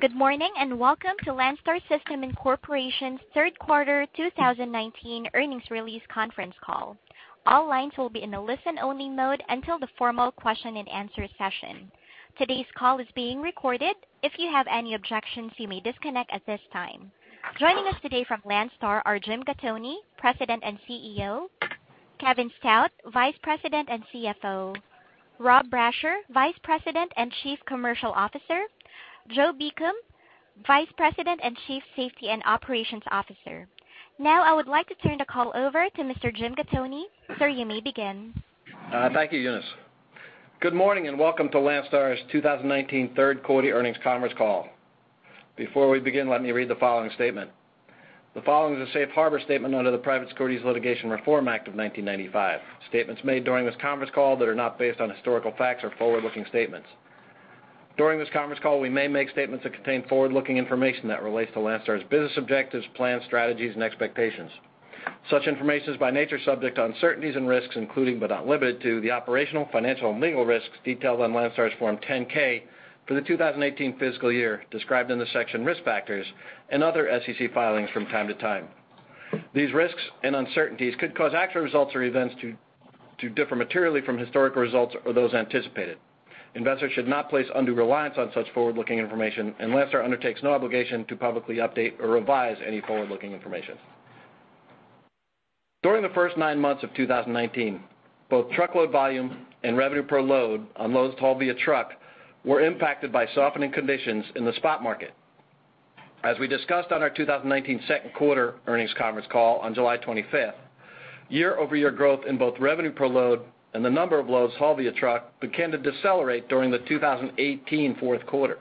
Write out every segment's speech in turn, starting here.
Good morning, and welcome to Landstar System, Incorporation's Third Quarter 2019 Earnings Release Conference Call. All lines will be in a listen-only mode until the formal question-and-answer session. Today's call is being recorded. If you have any objections, you may disconnect at this time. Joining us today from Landstar are Jim Gattoni, President and CEO, Kevin Stout, Vice President and CFO, Rob Brasher, Vice President and Chief Commercial Officer, Joe Beacom, Vice President and Chief Safety and Operations Officer. Now, I would like to turn the call over to Mr. Jim Gattoni. Sir, you may begin. Thank you, Eunice. Good morning, and welcome to Landstar's 2019 third quarter earnings conference call. Before we begin, let me read the following statement. The following is a safe harbor statement under the Private Securities Litigation Reform Act of 1995. Statements made during this conference call that are not based on historical facts are forward-looking statements. During this conference call, we may make statements that contain forward-looking information that relates to Landstar's business objectives, plans, strategies, and expectations. Such information is by nature subject to uncertainties and risks, including, but not limited to, the operational, financial, and legal risks detailed on Landstar's Form 10-K for the 2018 fiscal year, described in the section Risk Factors and other SEC filings from time to time. These risks and uncertainties could cause actual results or events to differ materially from historical results or those anticipated. Investors should not place undue reliance on such forward-looking information, and Landstar undertakes no obligation to publicly update or revise any forward-looking information. During the first 9 months of 2019, both truckload volume and revenue per load on loads hauled via truck were impacted by softening conditions in the spot market. As we discussed on our 2019 second quarter earnings conference call on July 25, year-over-year growth in both revenue per load and the number of loads hauled via truck began to decelerate during the 2018 fourth quarter.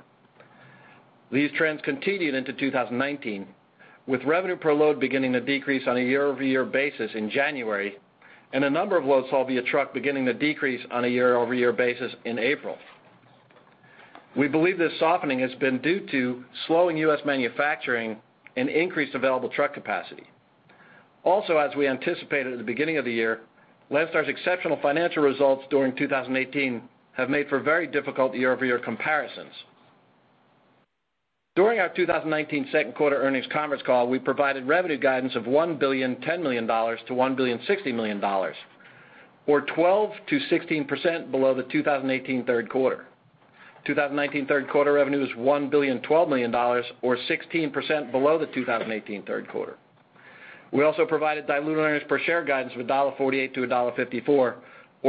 These trends continued into 2019, with revenue per load beginning to decrease on a year-over-year basis in January, and the number of loads hauled via truck beginning to decrease on a year-over-year basis in April. We believe this softening has been due to slowing U.S. manufacturing and increased available truck capacity. Also, as we anticipated at the beginning of the year, Landstar's exceptional financial results during 2018 have made for very difficult year-over-year comparisons. During our 2019 second quarter earnings conference call, we provided revenue guidance of $1.01 billion-$1.06 billion, or 12%-16% below the 2018 third quarter. 2019 third quarter revenue was $1.012 billion, or 16% below the 2018 third quarter. We also provided diluted earnings per share guidance of $1.48-$1.54, or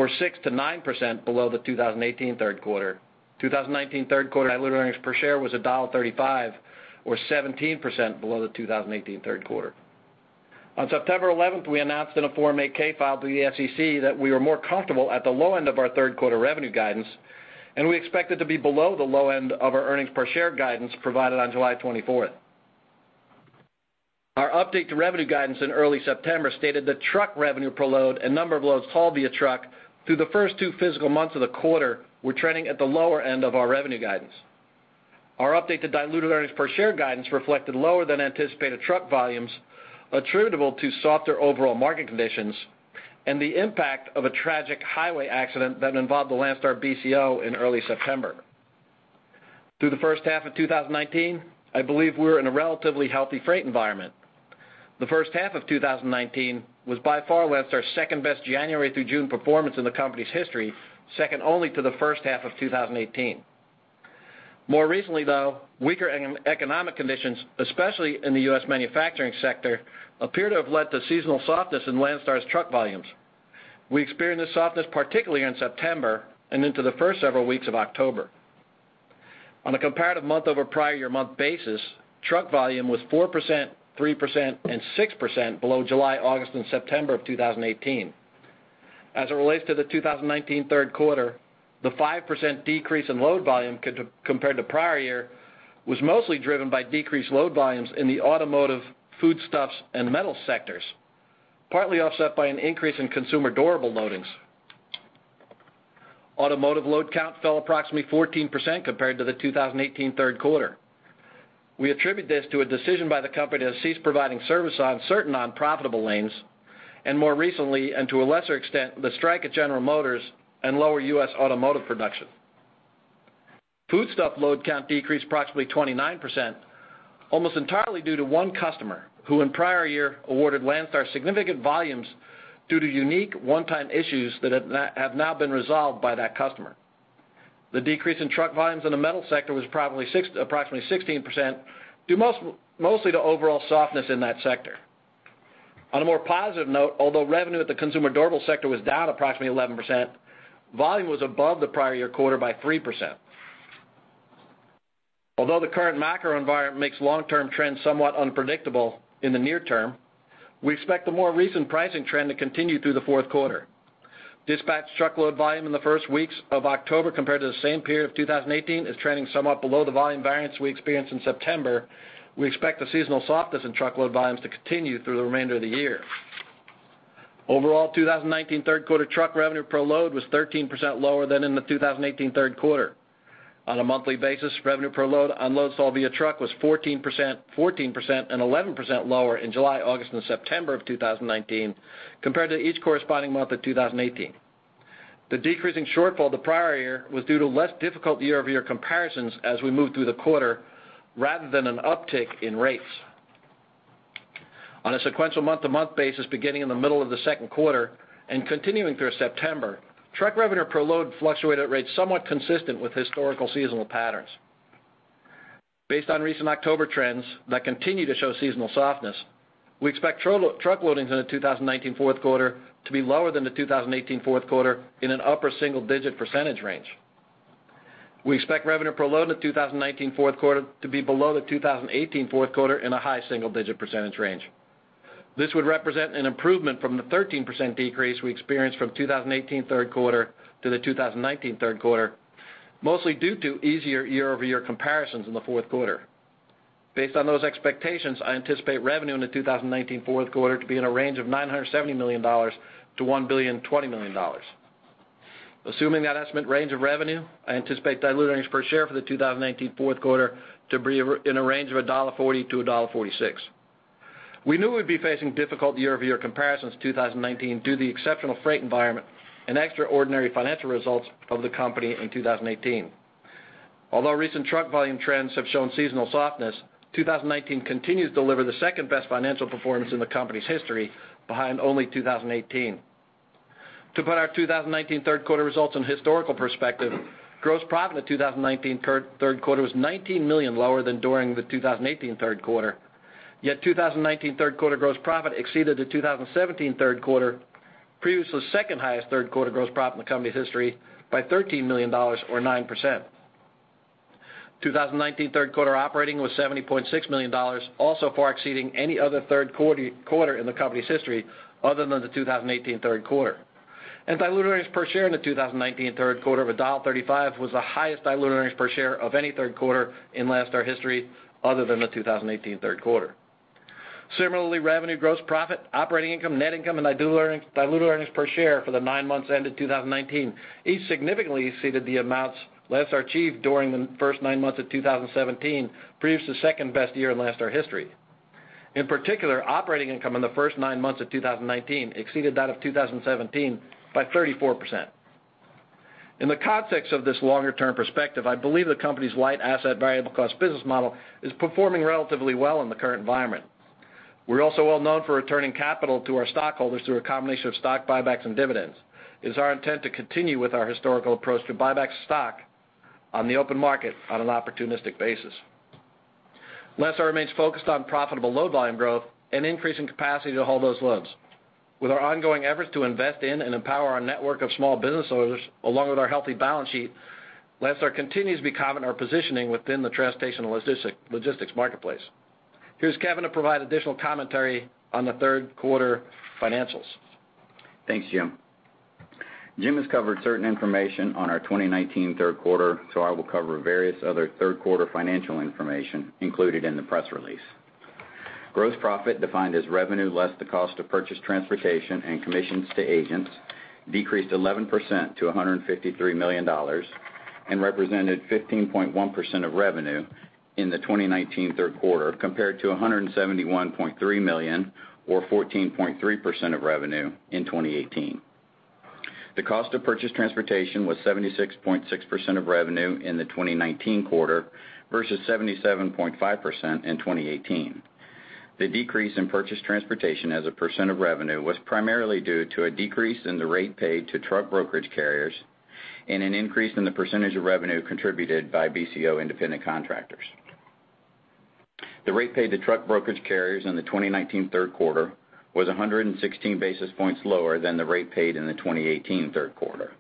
6%-9% below the 2018 third quarter. 2019 third quarter diluted earnings per share was $1.35, or 17% below the 2018 third quarter. On September 11, we announced in a Form 8-K filed to the SEC that we were more comfortable at the low end of our third quarter revenue guidance, and we expected to be below the low end of our earnings per share guidance provided on July 24. Our update to revenue guidance in early September stated that truck revenue per load and number of loads hauled via truck through the first two fiscal months of the quarter were trending at the lower end of our revenue guidance. Our update to diluted earnings per share guidance reflected lower than anticipated truck volumes, attributable to softer overall market conditions and the impact of a tragic highway accident that involved the Landstar BCO in early September. Through the first half of 2019, I believe we were in a relatively healthy freight environment. The first half of 2019 was by far Landstar's second-best January through June performance in the company's history, second only to the first half of 2018. More recently, though, weaker economic conditions, especially in the US manufacturing sector, appear to have led to seasonal softness in Landstar's truck volumes. We experienced this softness, particularly in September and into the first several weeks of October. On a comparative month-over-prior year month basis, truck volume was 4%, 3%, and 6% below July, August, and September of 2018. As it relates to the 2019 third quarter, the 5% decrease in load volume compared to prior year was mostly driven by decreased load volumes in the automotive, foodstuffs, and metal sectors, partly offset by an increase in consumer durable loadings. Automotive load count fell approximately 14% compared to the 2018 third quarter. We attribute this to a decision by the company to cease providing service on certain unprofitable lanes, and more recently, and to a lesser extent, the strike at General Motors and lower U.S. automotive production. Foodstuff load count decreased approximately 29%, almost entirely due to one customer, who in prior year awarded Landstar significant volumes due to unique one-time issues that have now been resolved by that customer. The decrease in truck volumes in the metal sector was approximately 16%, due mostly to overall softness in that sector. On a more positive note, although revenue at the consumer durable sector was down approximately 11%, volume was above the prior year quarter by 3%. Although the current macro environment makes long-term trends somewhat unpredictable in the near term, we expect the more recent pricing trend to continue through the fourth quarter. Dispatched truckload volume in the first weeks of October, compared to the same period of 2018, is trending somewhat below the volume variance we experienced in September. We expect the seasonal softness in truckload volumes to continue through the remainder of the year. Overall, 2019 third quarter truck revenue per load was 13% lower than in the 2018 third quarter. On a monthly basis, revenue per load on loads hauled via truck was 14%, 14%, and 11% lower in July, August, and September of 2019, compared to each corresponding month of 2018... The decreasing shortfall the prior year was due to less difficult year-over-year comparisons as we moved through the quarter, rather than an uptick in rates. On a sequential month-to-month basis, beginning in the middle of the second quarter and continuing through September, truck revenue per load fluctuated at rates somewhat consistent with historical seasonal patterns. Based on recent October trends that continue to show seasonal softness, we expect truck loadings in the 2019 fourth quarter to be lower than the 2018 fourth quarter in an upper single-digit % range. We expect revenue per load in the 2019 fourth quarter to be below the 2018 fourth quarter in a high single-digit % range. This would represent an improvement from the 13% decrease we experienced from 2018 third quarter to the 2019 third quarter, mostly due to easier year-over-year comparisons in the fourth quarter. Based on those expectations, I anticipate revenue in the 2019 fourth quarter to be in a range of $970 million to $1.02 billion. Assuming that estimate range of revenue, I anticipate diluted earnings per share for the 2019 fourth quarter to be in a range of $1.40-$1.46. We knew we'd be facing difficult year-over-year comparisons in 2019 due to the exceptional freight environment and extraordinary financial results of the company in 2018. Although recent truck volume trends have shown seasonal softness, 2019 continues to deliver the second-best financial performance in the company's history, behind only 2018. To put our 2019 third quarter results in historical perspective, gross profit in the 2019 third quarter was $19 million lower than during the 2018 third quarter. Yet 2019 third quarter gross profit exceeded the 2017 third quarter, previously the second-highest third quarter gross profit in the company's history, by $13 million or 9%. 2019 third quarter operating was $70.6 million, also far exceeding any other third quarter in the company's history, other than the 2018 third quarter. Diluted earnings per share in the 2019 third quarter of $1.35 was the highest diluted earnings per share of any third quarter in Landstar history, other than the 2018 third quarter. Similarly, revenue, gross profit, operating income, net income, and diluted earnings, diluted earnings per share for the nine months ended 2019, each significantly exceeded the amounts less achieved during the first nine months of 2017, previous to the second-best year in Landstar history. In particular, operating income in the first nine months of 2019 exceeded that of 2017 by 34%. In the context of this longer-term perspective, I believe the company's light-asset, variable-cost business model is performing relatively well in the current environment. We're also well known for returning capital to our stockholders through a combination of stock buybacks and dividends. It is our intent to continue with our historical approach to buy back stock on the open market on an opportunistic basis. Landstar remains focused on profitable load volume growth and increasing capacity to haul those loads. With our ongoing efforts to invest in and empower our network of small business owners, along with our healthy balance sheet, Landstar continues to be confident in our positioning within the transportation and logistics marketplace. Here's Kevin to provide additional commentary on the third quarter financials. Thanks, Jim. Jim has covered certain information on our 2019 third quarter, so I will cover various other third quarter financial information included in the press release. Gross profit, defined as revenue less the cost of purchased transportation and commissions to agents, decreased 11% to $153 million, and represented 15.1% of revenue in the 2019 third quarter, compared to $171.3 million, or 14.3% of revenue in 2018. The cost of purchased transportation was 76.6% of revenue in the 2019 quarter versus 77.5% in 2018. The decrease in purchased transportation as a percent of revenue was primarily due to a decrease in the rate paid to truck brokerage carriers and an increase in the percentage of revenue contributed by BCO independent contractors. The rate paid to truck brokerage carriers in the 2019 third quarter was 116 basis points lower than the rate paid in the 2018 third quarter.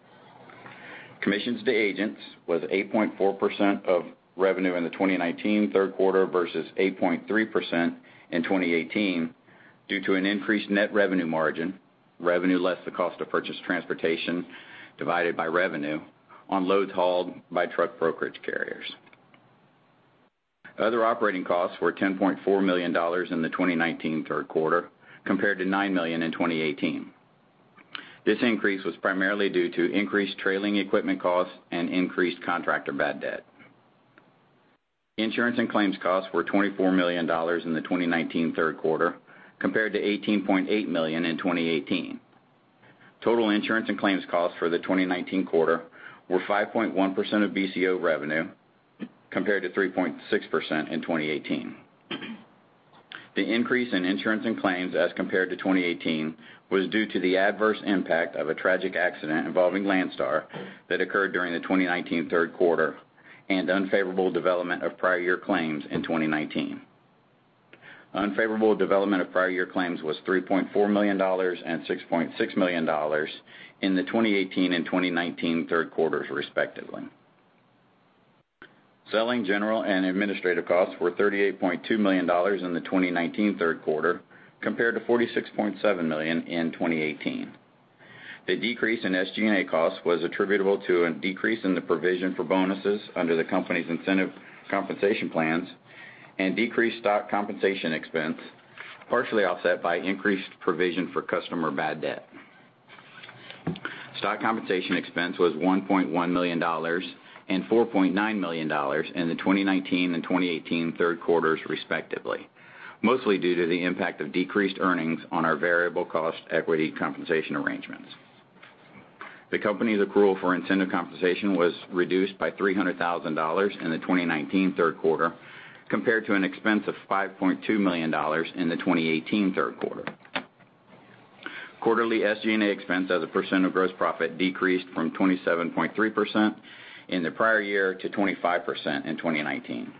Commissions to agents was 8.4% of revenue in the 2019 third quarter versus 8.3% in 2018 due to an increased net revenue margin, revenue less the cost of purchased transportation divided by revenue, on loads hauled by truck brokerage carriers. Other operating costs were $10.4 million in the 2019 third quarter, compared to $9 million in 2018. This increase was primarily due to increased trailing equipment costs and increased contractor bad debt. Insurance and claims costs were $24 million in the 2019 third quarter, compared to $18.8 million in 2018. Total insurance and claims costs for the 2019 quarter were 5.1% of BCO revenue, compared to 3.6% in 2018. The increase in insurance and claims, as compared to 2018, was due to the adverse impact of a tragic accident involving Landstar that occurred during the 2019 third quarter and unfavorable development of prior year claims in 2019. Unfavorable development of prior year claims was $3.4 million and $6.6 million in the 2018 and 2019 third quarters, respectively. Selling, general, and administrative costs were $38.2 million in the 2019 third quarter, compared to $46.7 million in 2018. The decrease in SG&A costs was attributable to a decrease in the provision for bonuses under the company's incentive compensation plans and decreased stock compensation expense, partially offset by increased provision for customer bad debt. Stock compensation expense was $1.1 million and $4.9 million in the 2019 and 2018 third quarters, respectively, mostly due to the impact of decreased earnings on our variable cost equity compensation arrangements. The company's accrual for incentive compensation was reduced by $300,000 in the 2019 third quarter, compared to an expense of $5.2 million in the 2018 third quarter. Quarterly SG&A expense as a percent of gross profit decreased from 27.3% in the prior year to 25% in 2019.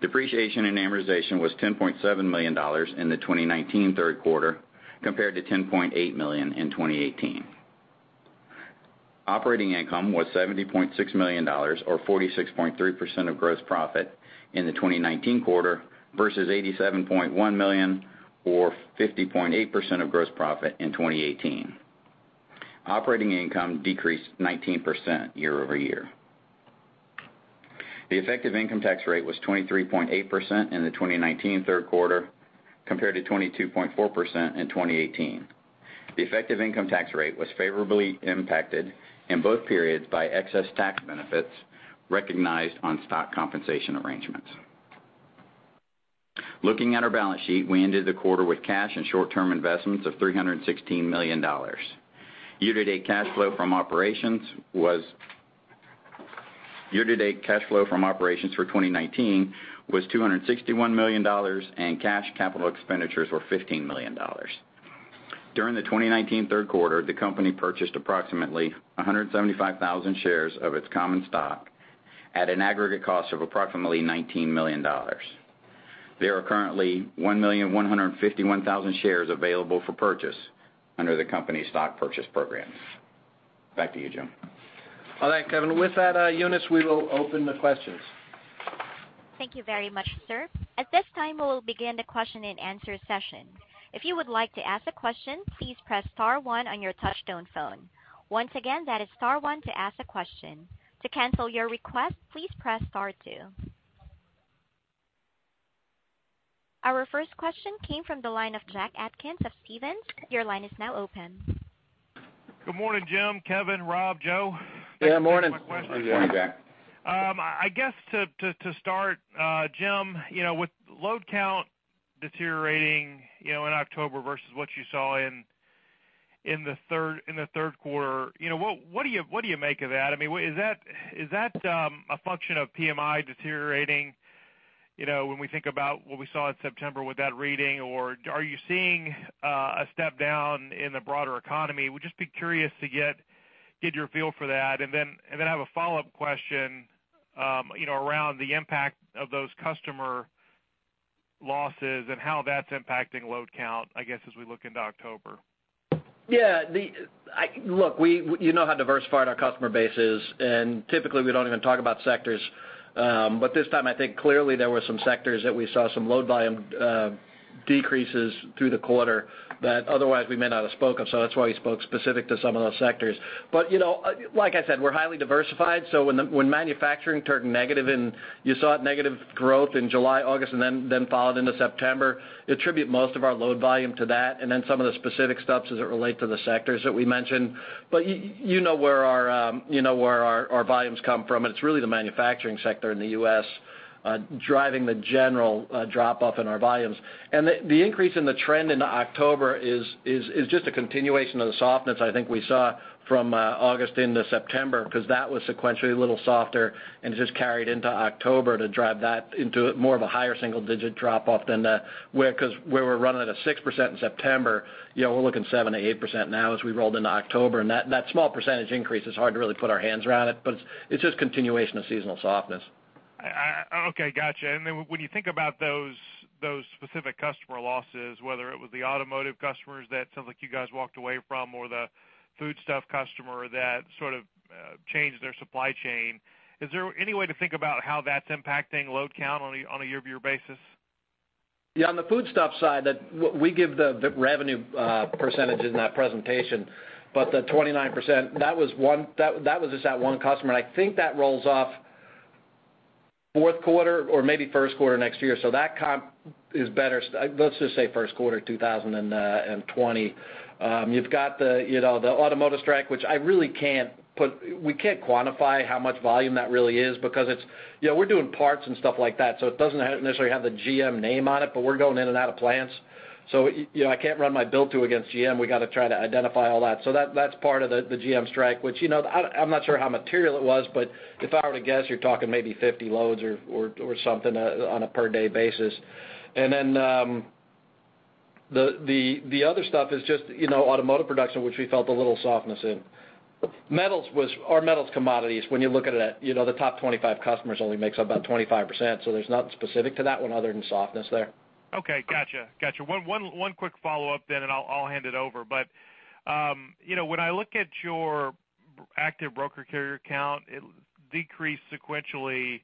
Depreciation and amortization was $10.7 million in the 2019 third quarter, compared to $10.8 million in 2018. Operating income was $70.6 million, or 46.3% of gross profit in the 2019 quarter versus $87.1 million, or 50.8% of gross profit in 2018. Operating income decreased 19% year-over-year. The effective income tax rate was 23.8% in the 2019 third quarter, compared to 22.4% in 2018. The effective income tax rate was favorably impacted in both periods by excess tax benefits recognized on stock compensation arrangements. Looking at our balance sheet, we ended the quarter with cash and short-term investments of $316 million. Year-to-date cash flow from operations for 2019 was $261 million, and cash capital expenditures were $15 million. During the 2019 third quarter, the company purchased approximately 175,000 shares of its common stock at an aggregate cost of approximately $19 million. There are currently 1,151,000 shares available for purchase under the company's stock purchase program. Back to you, Jim. All right, Kevin. With that, Eunice, we will open the questions. Thank you very much, sir. At this time, we will begin the question-and-answer session. If you would like to ask a question, please press star one on your touchtone phone. Once again, that is star one to ask a question. To cancel your request, please press star two. Our first question came from the line of Jack Atkins of Stephens. Your line is now open. Good morning, Jim, Kevin, Rob, Joe. Yeah, morning. Good morning, Jack. I guess to start, Jim, you know, with load count deteriorating, you know, in October versus what you saw in the third quarter, you know, what do you make of that? I mean, is that a function of PMI deteriorating? You know, when we think about what we saw in September with that reading, or are you seeing a step down in the broader economy? We'd just be curious to get your feel for that. And then I have a follow-up question, you know, around the impact of those customer losses and how that's impacting load count, I guess, as we look into October. Yeah, Look, we, you know how diversified our customer base is, and typically, we don't even talk about sectors. But this time, I think clearly there were some sectors that we saw some load volume decreases through the quarter that otherwise we may not have spoke of. So that's why we spoke specific to some of those sectors. But, you know, like I said, we're highly diversified, so when manufacturing turned negative, and you saw it, negative growth in July, August, and then followed into September, you attribute most of our load volume to that, and then some of the specific steps as it relate to the sectors that we mentioned. But you know where our, you know where our, our volumes come from, and it's really the manufacturing sector in the U.S., driving the general, drop-off in our volumes. And the, the increase in the trend in October is, is, is just a continuation of the softness I think we saw from, August into September, because that was sequentially a little softer, and it just carried into October to drive that into more of a higher single digit drop-off than the, where—'cause where we're running at a 6% in September, you know, we're looking 7%-8% now as we rolled into October. And that, that small percentage increase is hard to really put our hands around it, but it's, it's just continuation of seasonal softness. Okay, gotcha. And then when you think about those, those specific customer losses, whether it was the automotive customers that sounds like you guys walked away from, or the foodstuff customer that sort of changed their supply chain, is there any way to think about how that's impacting load count on a year-over-year basis? Yeah, on the foodstuff side, we give the revenue percentage in that presentation, but the 29%, that was just that one customer, and I think that rolls off fourth quarter or maybe first quarter next year. So that comp is better, let's just say first quarter 2020. You've got you know the automotive strike, which we can't quantify how much volume that really is because it's... You know, we're doing parts and stuff like that, so it doesn't necessarily have the GM name on it, but we're going in and out of plants. So, you know, I can't run my bill-to against GM. We got to try to identify all that. So that's part of the GM strike, which, you know, I don't, I'm not sure how material it was, but if I were to guess, you're talking maybe 50 loads or something on a per-day basis. And then the other stuff is just, you know, automotive production, which we felt a little softness in. Metals was, or metals commodities, when you look at it, you know, the top 25 customers only makes up about 25%, so there's nothing specific to that one, other than softness there. Okay, gotcha. Gotcha. One quick follow-up then, and I'll hand it over. But, you know, when I look at your active broker carrier count, it decreased sequentially,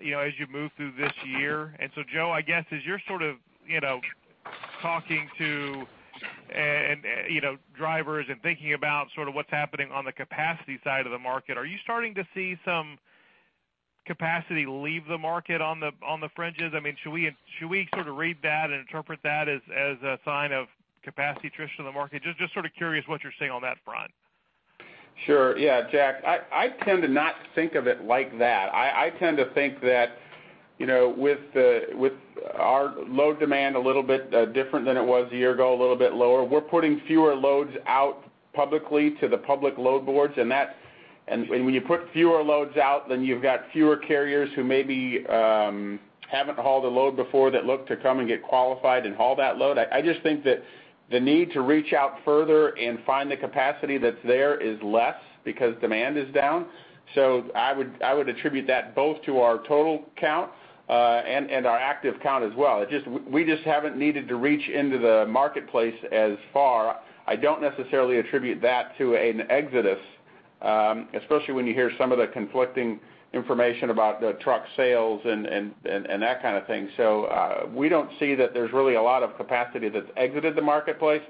you know, as you move through this year. And so, Joe, I guess, as you're sort of, you know, talking to and you know, drivers and thinking about sort of what's happening on the capacity side of the market, are you starting to see some capacity leave the market on the fringes? I mean, should we sort of read that and interpret that as a sign of capacity attrition in the market? Just sort of curious what you're seeing on that front. Sure. Yeah, Jack, I tend to not think of it like that. I tend to think that, you know, with our load demand a little bit different than it was a year ago, a little bit lower, we're putting fewer loads out publicly to the public load boards, and that's and when you put fewer loads out, then you've got fewer carriers who maybe haven't hauled a load before that look to come and get qualified and haul that load. I just think that the need to reach out further and find the capacity that's there is less because demand is down. So I would attribute that both to our total count and our active count as well. We just haven't needed to reach into the marketplace as far. I don't necessarily attribute that to an exodus, especially when you hear some of the conflicting information about the truck sales and that kind of thing. So, we don't see that there's really a lot of capacity that's exited the marketplace.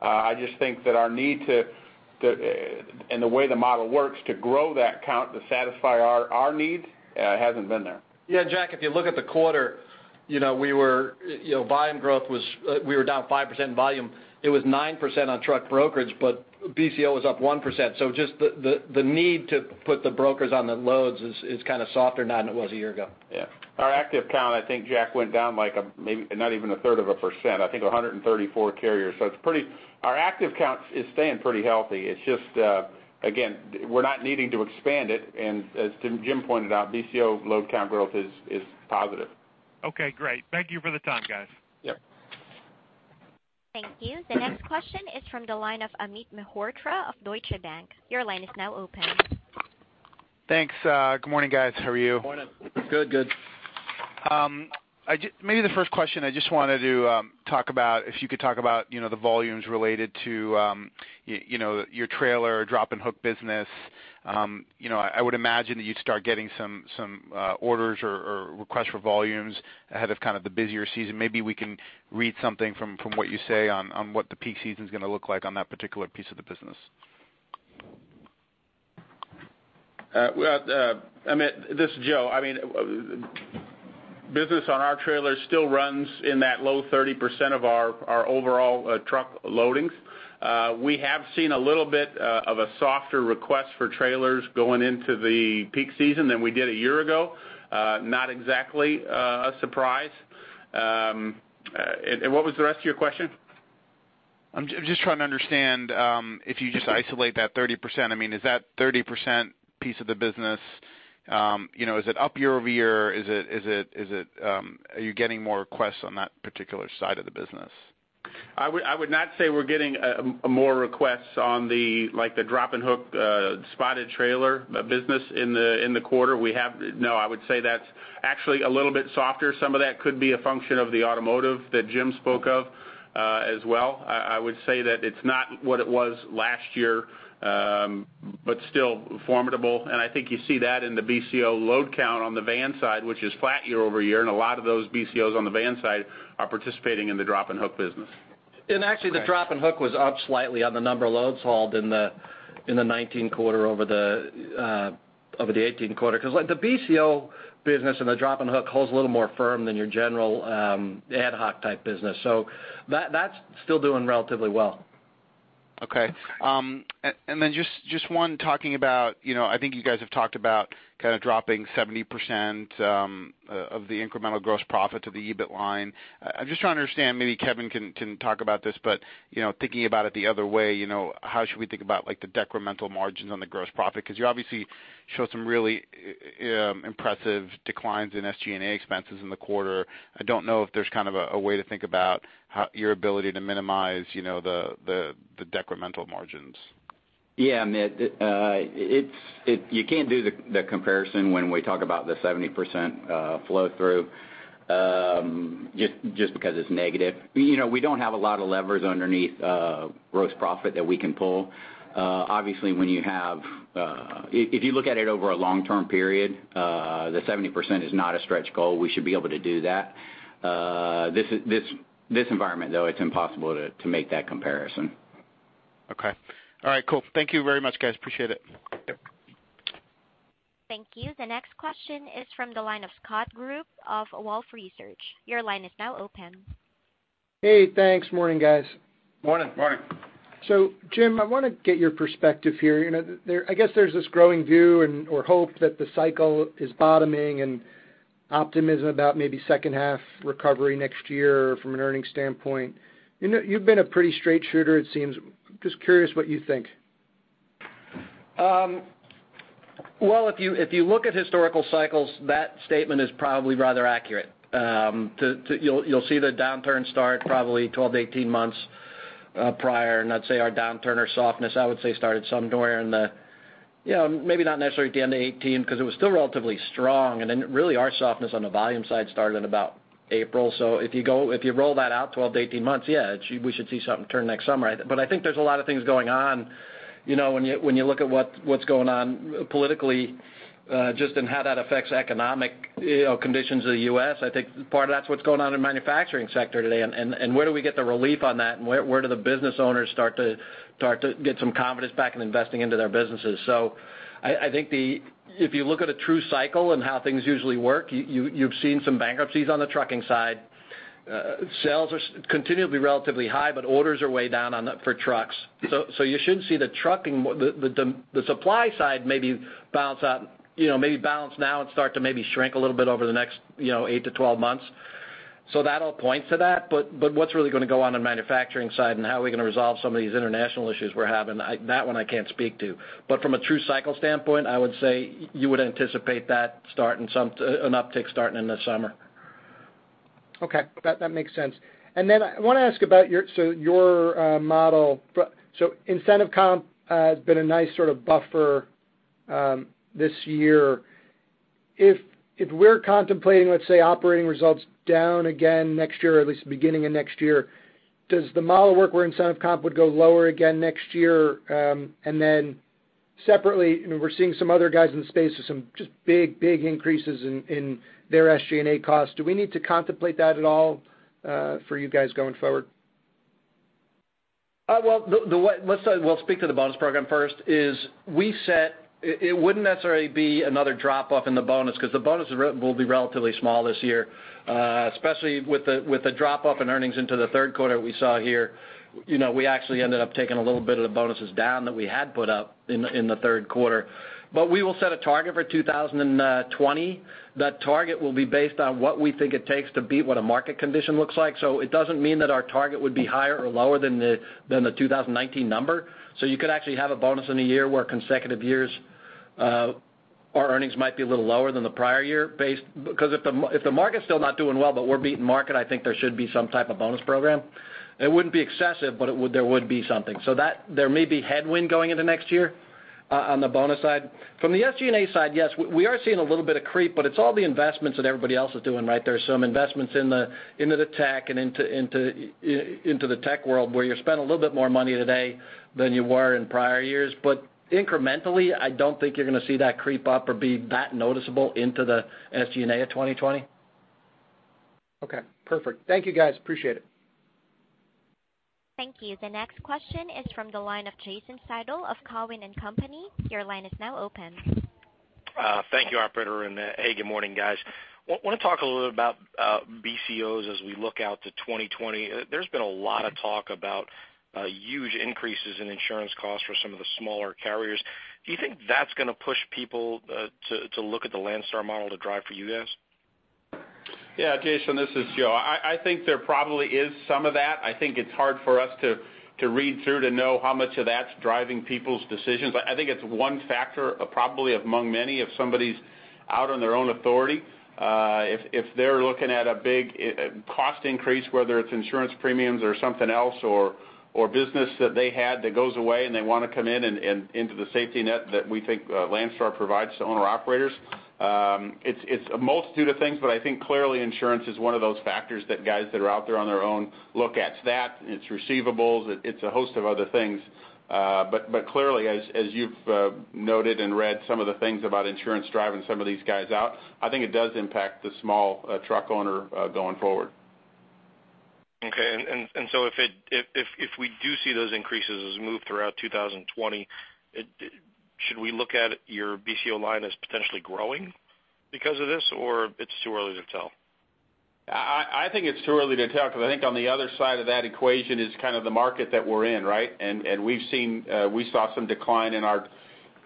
I just think that our need and the way the model works, to grow that count, to satisfy our needs, hasn't been there. Yeah, Jack, if you look at the quarter, you know, we were... You know, volume growth was, we were down 5% in volume. It was 9% on truck brokerage, but BCO was up 1%. So just the need to put the brokers on the loads is kind of softer now than it was a year ago. Yeah. Our active count, I think, Jack, went down like a, maybe, not even a third of a %, I think 134 carriers. So it's pretty... Our active count is staying pretty healthy. It's just, again, we're not needing to expand it, and as Jim, Jim pointed out, BCO load count growth is, is positive. Okay, great. Thank you for the time, guys. Yep. Thank you. The next question is from the line of Amit Mehrotra of Deutsche Bank. Your line is now open. Thanks. Good morning, guys. How are you? Morning. Good. Good. I just... Maybe the first question, I just wanted to talk about, if you could talk about, you know, the volumes related to, you know, your trailer drop and hook business. You know, I would imagine that you'd start getting some, uh, orders or requests for volumes ahead of kind of the busier season. Maybe we can read something from what you say on what the peak season's gonna look like on that particular piece of the business. Well, Amit, this is Joe. I mean, business on our trailers still runs in that low 30% of our overall truck loadings. We have seen a little bit of a softer request for trailers going into the peak season than we did a year ago. Not exactly a surprise. And what was the rest of your question? I'm just trying to understand, if you just isolate that 30%, I mean, is that 30% piece of the business, you know, is it up year-over-year? Are you getting more requests on that particular side of the business? I would, I would not say we're getting more requests on the, like, the Drop and Hook spot trailer business in the quarter. No, I would say that's actually a little bit softer. Some of that could be a function of the automotive that Jim spoke of, as well. I, I would say that it's not what it was last year, but still formidable, and I think you see that in the BCO load count on the van side, which is flat year-over-year, and a lot of those BCOs on the van side are participating in the Drop and Hook business. Actually, the drop and hook was up slightly on the number of loads hauled in the 2019 quarter over the 2018 quarter. 'Cause, like, the BCO business and the drop and hook holds a little more firm than your general ad hoc type business, so that's still doing relatively well. Okay. And then just one talking about, you know, I think you guys have talked about kind of dropping 70% of the incremental gross profit to the EBIT line. I'm just trying to understand, maybe Kevin can talk about this, but, you know, thinking about it the other way, you know, how should we think about, like, the decremental margins on the gross profit? Because you obviously show some really impressive declines in SG&A expenses in the quarter. I don't know if there's kind of a way to think about how your ability to minimize, you know, the decremental margins. Yeah, Amit, it's it. You can't do the comparison when we talk about the 70% flow through just because it's negative. You know, we don't have a lot of levers underneath gross profit that we can pull. Obviously, if you look at it over a long-term period, the 70% is not a stretch goal. We should be able to do that. This environment, though, it's impossible to make that comparison. Okay. All right, cool. Thank you very much, guys. Appreciate it. Yep. Thank you. The next question is from the line of Scott Group of Wolfe Research. Your line is now open. Hey, thanks. Morning, guys. Morning. Morning. So Jim, I want to get your perspective here. You know, there, I guess there's this growing view and, or hope that the cycle is bottoming and optimism about maybe second half recovery next year from an earnings standpoint. You know, you've been a pretty straight shooter, it seems. Just curious what you think. Well, if you look at historical cycles, that statement is probably rather accurate. The, you'll see the downturn start probably 12-18 months prior, and I'd say our downturn or softness, I would say, started somewhere in the, you know, maybe not necessarily at the end of 2018, because it was still relatively strong, and then really our softness on the volume side started in about April. So if you go, if you roll that out 12-18 months, yeah, it should, we should see something turn next summer. But I think there's a lot of things going on, you know, when you look at what's going on politically, just in how that affects economic, you know, conditions of the U.S., I think part of that's what's going on in the manufacturing sector today. Where do we get the relief on that? And where do the business owners start to get some confidence back in investing into their businesses? So I think if you look at a true cycle and how things usually work, you've seen some bankruptcies on the trucking side. Sales are continually relatively high, but orders are way down for trucks. So you should see the trucking supply side maybe bounce up, you know, maybe balance now and start to maybe shrink a little bit over the next, you know, 8-12 months. So that all points to that. But what's really going to go on in the manufacturing side and how are we going to resolve some of these international issues we're having? That one I can't speak to. But from a true cycle standpoint, I would say you would anticipate that an uptick starting in the summer. Okay, that makes sense. And then I want to ask about your model. So incentive comp has been a nice sort of buffer this year. If we're contemplating, let's say, operating results down again next year, or at least the beginning of next year, does the model work where incentive comp would go lower again next year? And then separately, you know, we're seeing some other guys in the space with some just big, big increases in their SG&A costs. Do we need to contemplate that at all for you guys going forward? Well, let's speak to the bonus program first. It wouldn't necessarily be another drop off in the bonus, because the bonus will be relatively small this year, especially with the drop off in earnings into the third quarter we saw here. You know, we actually ended up taking a little bit of the bonuses down that we had put up in the third quarter. But we will set a target for 2020. That target will be based on what we think it takes to beat what a market condition looks like. So it doesn't mean that our target would be higher or lower than the 2019 number. So you could actually have a bonus in a year where consecutive years, our earnings might be a little lower than the prior year based... Because if the market's still not doing well, but we're beating market, I think there should be some type of bonus program. It wouldn't be excessive, but it would—there would be something. So that there may be headwind going into next year on the bonus side. From the SG&A side, yes, we are seeing a little bit of creep, but it's all the investments that everybody else is doing, right? There are some investments into the tech world, where you spend a little bit more money today than you were in prior years. Incrementally, I don't think you're going to see that creep up or be that noticeable into the SG&A of 2020. Okay, perfect. Thank you, guys. Appreciate it. Thank you. The next question is from the line of Jason Seidl of Cowen and Company. Your line is now open. Thank you, operator, and hey, good morning, guys. Want to talk a little bit about BCOs as we look out to 2020. There's been a lot of talk about huge increases in insurance costs for some of the smaller carriers. Do you think that's going to push people to look at the Landstar model to drive for you guys? Yeah, Jason, this is Joe. I think there probably is some of that. I think it's hard for us to read through to know how much of that's driving people's decisions. But I think it's one factor, probably among many, if somebody's out on their own authority, if they're looking at a big cost increase, whether it's insurance premiums or something else, or business that they had that goes away and they want to come in and into the safety net that we think Landstar provides to owner-operators. It's a multitude of things, but I think clearly insurance is one of those factors that guys that are out there on their own look at. It's that, it's receivables, it's a host of other things. But clearly, as you've noted and read some of the things about insurance driving some of these guys out, I think it does impact the small truck owner going forward. Okay, and so if we do see those increases as we move throughout 2020, should we look at your BCO line as potentially growing because of this, or is it too early to tell? I think it's too early to tell, because I think on the other side of that equation is kind of the market that we're in, right? And we've seen, we saw some decline in our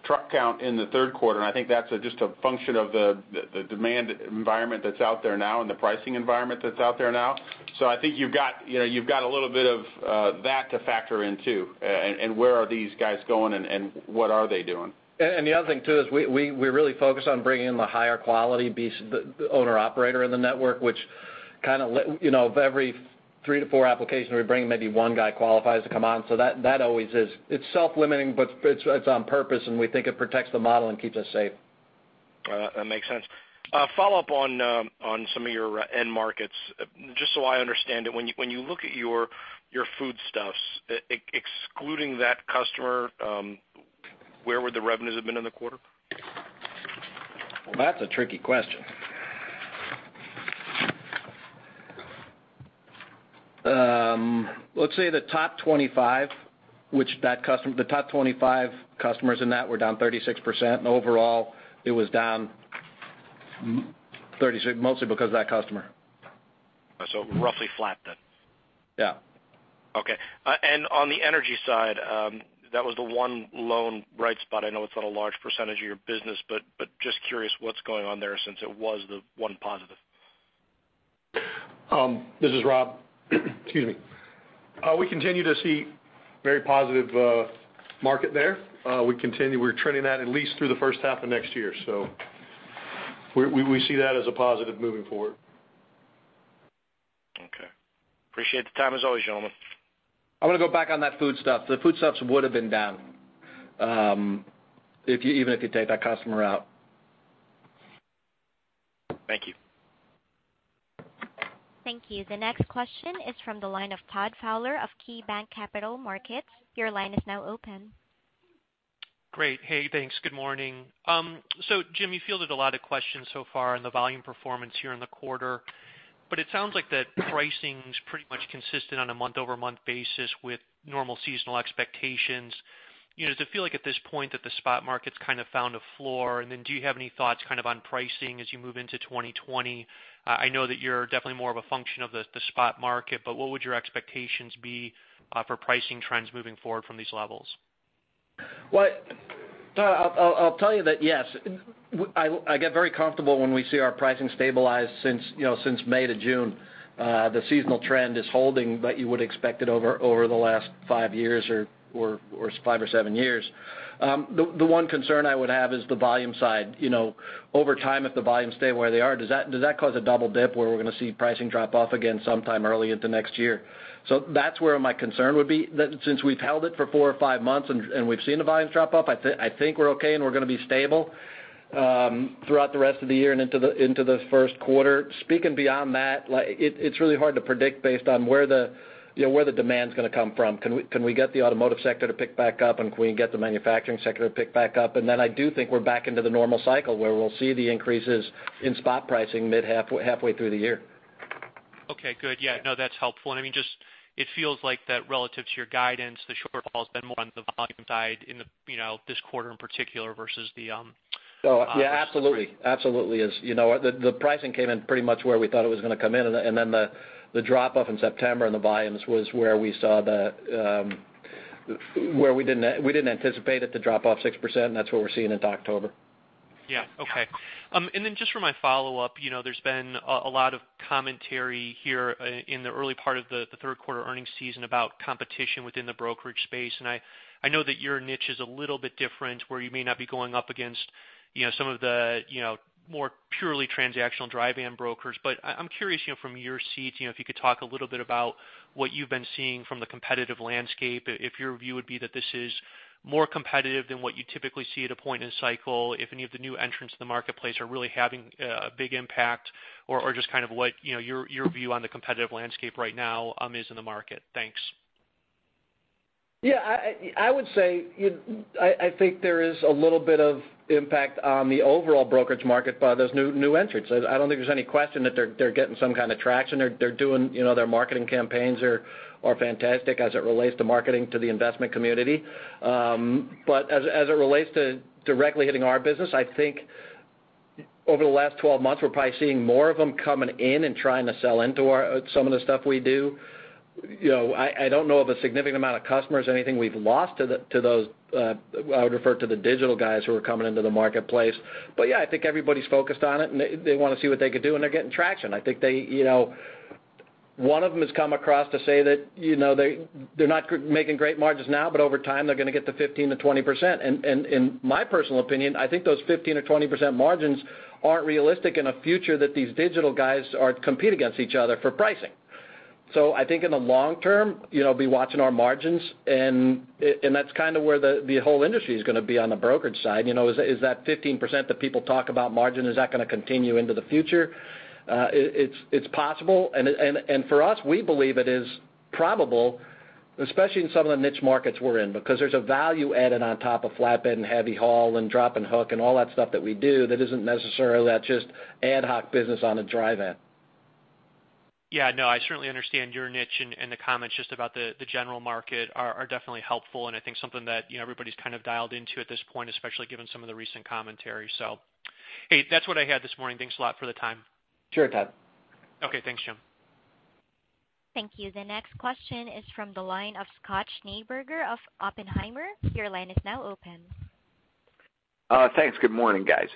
truck count in the third quarter, and I think that's just a function of the, the, the demand environment that's out there now and the pricing environment that's out there now. So I think you've got, you know, you've got a little bit of that to factor in, too, and where are these guys going, and what are they doing? And the other thing, too, is we really focus on bringing in the higher quality BCO owner-operator in the network. You know, of every three to four applications we bring, maybe one guy qualifies to come on. So that always is, it's self-limiting, but it's on purpose, and we think it protects the model and keeps us safe. That makes sense. Follow-up on some of your end markets. Just so I understand it, when you look at your Foodstuffs, excluding that customer, where would the revenues have been in the quarter? Well, that's a tricky question. Let's say the top 25, which that customer- the top 25 customers in that were down 36%. Overall, it was down 36, mostly because of that customer. So roughly flat then? Yeah. Okay. On the energy side, that was the one lone bright spot. I know it's not a large percentage of your business, but, but just curious what's going on there since it was the one positive. This is Rob. Excuse me. We continue to see very positive market there. We continue, we're trending that at least through the first half of next year. So we see that as a positive moving forward. Okay. Appreciate the time, as always, gentlemen. I want to go back on that Foodstuffs. The Foodstuffs would have been down, even if you take that customer out. Thank you. Thank you. The next question is from the line of Todd Fowler of KeyBanc Capital Markets. Your line is now open.... Great. Hey, thanks. Good morning. So Jim, you fielded a lot of questions so far on the volume performance here in the quarter, but it sounds like that pricing's pretty much consistent on a month-over-month basis with normal seasonal expectations. You know, does it feel like at this point that the spot market's kind of found a floor? And then do you have any thoughts kind of on pricing as you move into 2020? I know that you're definitely more of a function of the, the spot market, but what would your expectations be, for pricing trends moving forward from these levels? Well, Todd, I'll tell you that, yes, I get very comfortable when we see our pricing stabilized since, you know, since May to June. The seasonal trend is holding, but you would expect it over the last 5 or 7 years. The one concern I would have is the volume side. You know, over time, if the volumes stay where they are, does that cause a double dip, where we're going to see pricing drop off again sometime early into next year? So that's where my concern would be. That since we've held it for 4 or 5 months and we've seen the volumes drop off, I think we're okay, and we're going to be stable throughout the rest of the year and into the first quarter. Speaking beyond that, like, it, it's really hard to predict based on where the, you know, where the demand's going to come from. Can we, can we get the automotive sector to pick back up, and can we get the manufacturing sector to pick back up? And then I do think we're back into the normal cycle, where we'll see the increases in spot pricing mid-halfway, halfway through the year. Okay, good. Yeah, no, that's helpful. And I mean, just, it feels like that relative to your guidance, the shortfall has been more on the volume side in the, you know, this quarter in particular versus the, Oh, yeah, absolutely. Absolutely is. You know what? The pricing came in pretty much where we thought it was going to come in, and then the drop off in September and the volumes was where we saw the where we didn't anticipate it to drop off 6%, and that's what we're seeing into October. Yeah. Okay. And then just for my follow-up, you know, there's been a lot of commentary here in the early part of the third quarter earnings season about competition within the brokerage space, and I know that your niche is a little bit different, where you may not be going up against, you know, some of the, you know, more purely transactional dry van brokers. But I, I'm curious, you know, from your seat, you know, if you could talk a little bit about what you've been seeing from the competitive landscape, if your view would be that this is more competitive than what you typically see at a point in cycle, if any of the new entrants in the marketplace are really having a big impact, or, or just kind of what, you know, your, your view on the competitive landscape right now is in the market. Thanks. Yeah, I would say you, I think there is a little bit of impact on the overall brokerage market by those new entrants. I don't think there's any question that they're getting some kind of traction, or they're doing... You know, their marketing campaigns are fantastic as it relates to marketing to the investment community. But as it relates to directly hitting our business, I think over the last 12 months, we're probably seeing more of them coming in and trying to sell into our some of the stuff we do. You know, I don't know of a significant amount of customers or anything we've lost to those, I would refer to the digital guys who are coming into the marketplace. But yeah, I think everybody's focused on it, and they, they want to see what they can do, and they're getting traction. I think they, you know, one of them has come across to say that, you know, they, they're not making great margins now, but over time, they're going to get to 15%-20%. And, and in my personal opinion, I think those 15% or 20% margins aren't realistic in a future that these digital guys are compete against each other for pricing. So I think in the long term, you know, be watching our margins, and, it, and that's kind of where the, the whole industry is going to be on the brokerage side. You know, is, is that 15% that people talk about margin, is that going to continue into the future? It's, it's possible, and it... And for us, we believe it is probable, especially in some of the niche markets we're in, because there's a value added on top of flatbed and heavy haul and drop and hook and all that stuff that we do that isn't necessarily that just ad hoc business on a dry van. Yeah, no, I certainly understand your niche and the comments just about the general market are definitely helpful, and I think something that, you know, everybody's kind of dialed into at this point, especially given some of the recent commentary. So hey, that's what I had this morning. Thanks a lot for the time. Sure, Todd. Okay, thanks, Jim. Thank you. The next question is from the line of Scott Schneeberger of Oppenheimer. Your line is now open. Thanks. Good morning, guys.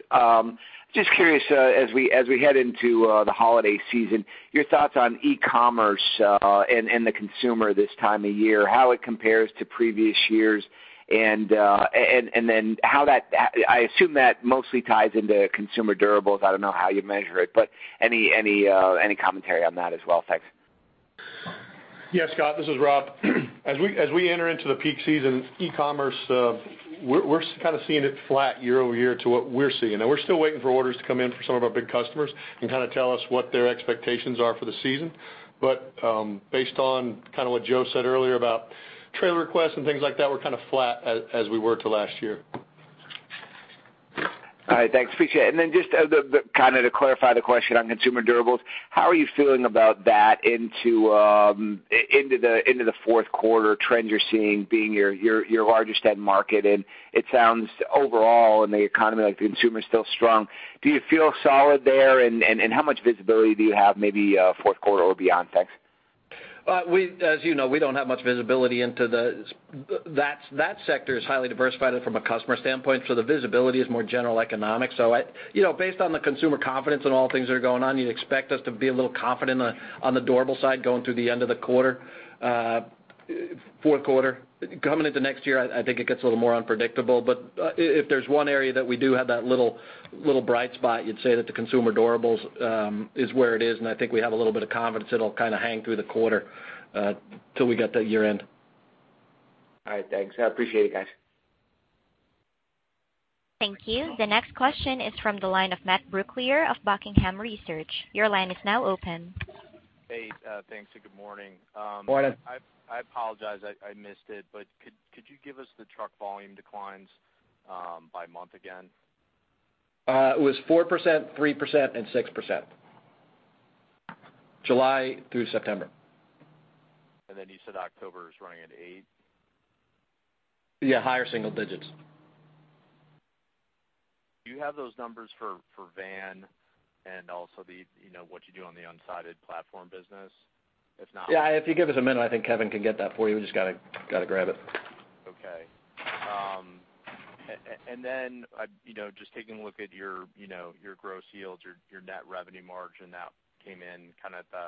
Just curious, as we head into the holiday season, your thoughts on e-commerce, and the consumer this time of year, how it compares to previous years, and then how that, I assume that mostly ties into consumer durables. I don't know how you measure it, but any commentary on that as well? Thanks. Yeah, Scott, this is Rob. As we enter into the peak season, e-commerce, we're kind of seeing it flat year over year to what we're seeing. Now, we're still waiting for orders to come in from some of our big customers and kind of tell us what their expectations are for the season. But, based on kind of what Joe said earlier about trailer requests and things like that, we're kind of flat as we were to last year. All right. Thanks, appreciate it. And then just, the kind of to clarify the question on consumer durables, how are you feeling about that into the fourth quarter trends you're seeing, being your largest end market? And it sounds overall in the economy, like the consumer is still strong. Do you feel solid there, and how much visibility do you have maybe, fourth quarter or beyond? Thanks. As you know, we don't have much visibility into the... that sector is highly diversified from a customer standpoint, so the visibility is more general economic. So I, you know, based on the consumer confidence and all things that are going on, you'd expect us to be a little confident on the, on the durable side going through the end of the quarter, fourth quarter. Coming into next year, I think it gets a little more unpredictable, but, if there's one area that we do have that little bright spot, you'd say that the consumer durables is where it is, and I think we have a little bit of confidence it'll kind of hang through the quarter, till we get to year-end. All right. Thanks. I appreciate it, guys. Thank you. The next question is from the line of Matt Brooklier of Buckingham Research. Your line is now open. Hey, thanks, and good morning. Morning. I apologize, I missed it, but could you give us the truck volume declines by month again? It was 4%, 3%, and 6%. July through September. You said October is running at eight? Yeah, higher single digits. Do you have those numbers for van and also the, you know, what you do on the unsided platform business, if not- Yeah, if you give us a minute, I think Kevin can get that for you. We just gotta grab it. Okay. And then, I you know, just taking a look at your, you know, your gross yields, your, your net revenue margin, that came in kind of at the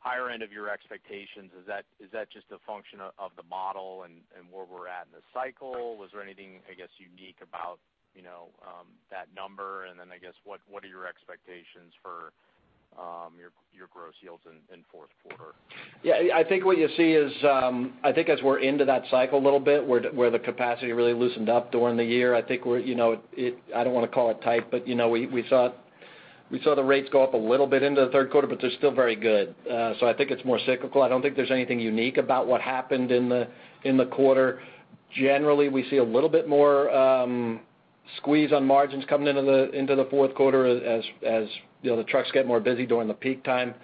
higher end of your expectations. Is that, is that just a function of, of the model and, and where we're at in the cycle? Was there anything, I guess, unique about, you know, that number? And then, I guess, what, what are your expectations for, your, your gross yields in fourth quarter? Yeah, I think what you see is, I think as we're into that cycle a little bit, where the capacity really loosened up during the year, I think we're, you know, I don't want to call it tight, but, you know, we saw the rates go up a little bit into the third quarter, but they're still very good. So I think it's more cyclical. I don't think there's anything unique about what happened in the quarter. Generally, we see a little bit more squeeze on margins coming into the fourth quarter as, you know, the trucks get more busy during the peak time.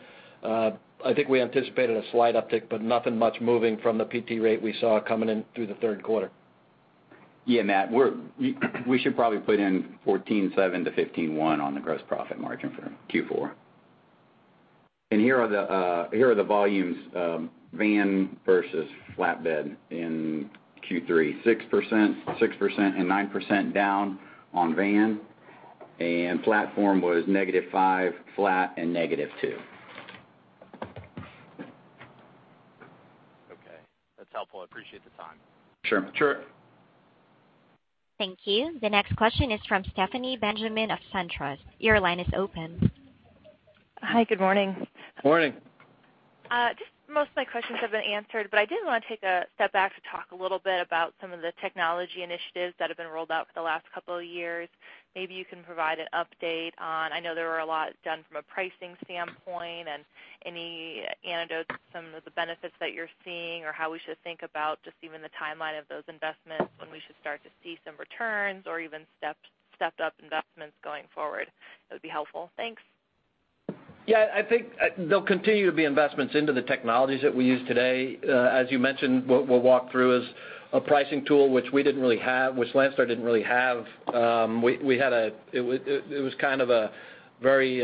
I think we anticipated a slight uptick, but nothing much moving from the PT rate we saw coming in through the third quarter. Yeah, Matt, we should probably put in 14.7 to 15.1 on the gross profit margin for Q4. Here are the volumes, van versus flatbed in Q3, 6%, 6% and 9% down on van, and platform was negative 5, flat and negative 2. Okay. That's helpful. I appreciate the time. Sure. Sure. Thank you. The next question is from Stephanie Benjamin of SunTrust. Your line is open. Hi, good morning. Morning. Just most of my questions have been answered, but I did want to take a step back to talk a little bit about some of the technology initiatives that have been rolled out for the last couple of years. Maybe you can provide an update on, I know there were a lot done from a pricing standpoint, and any anecdotes, some of the benefits that you're seeing, or how we should think about just even the timeline of those investments, when we should start to see some returns or even stepped-up investments going forward. That would be helpful. Thanks. Yeah, I think there'll continue to be investments into the technologies that we use today. As you mentioned, what we'll walk through is a pricing tool, which we didn't really have, which Landstar didn't really have. We had a, it was kind of a very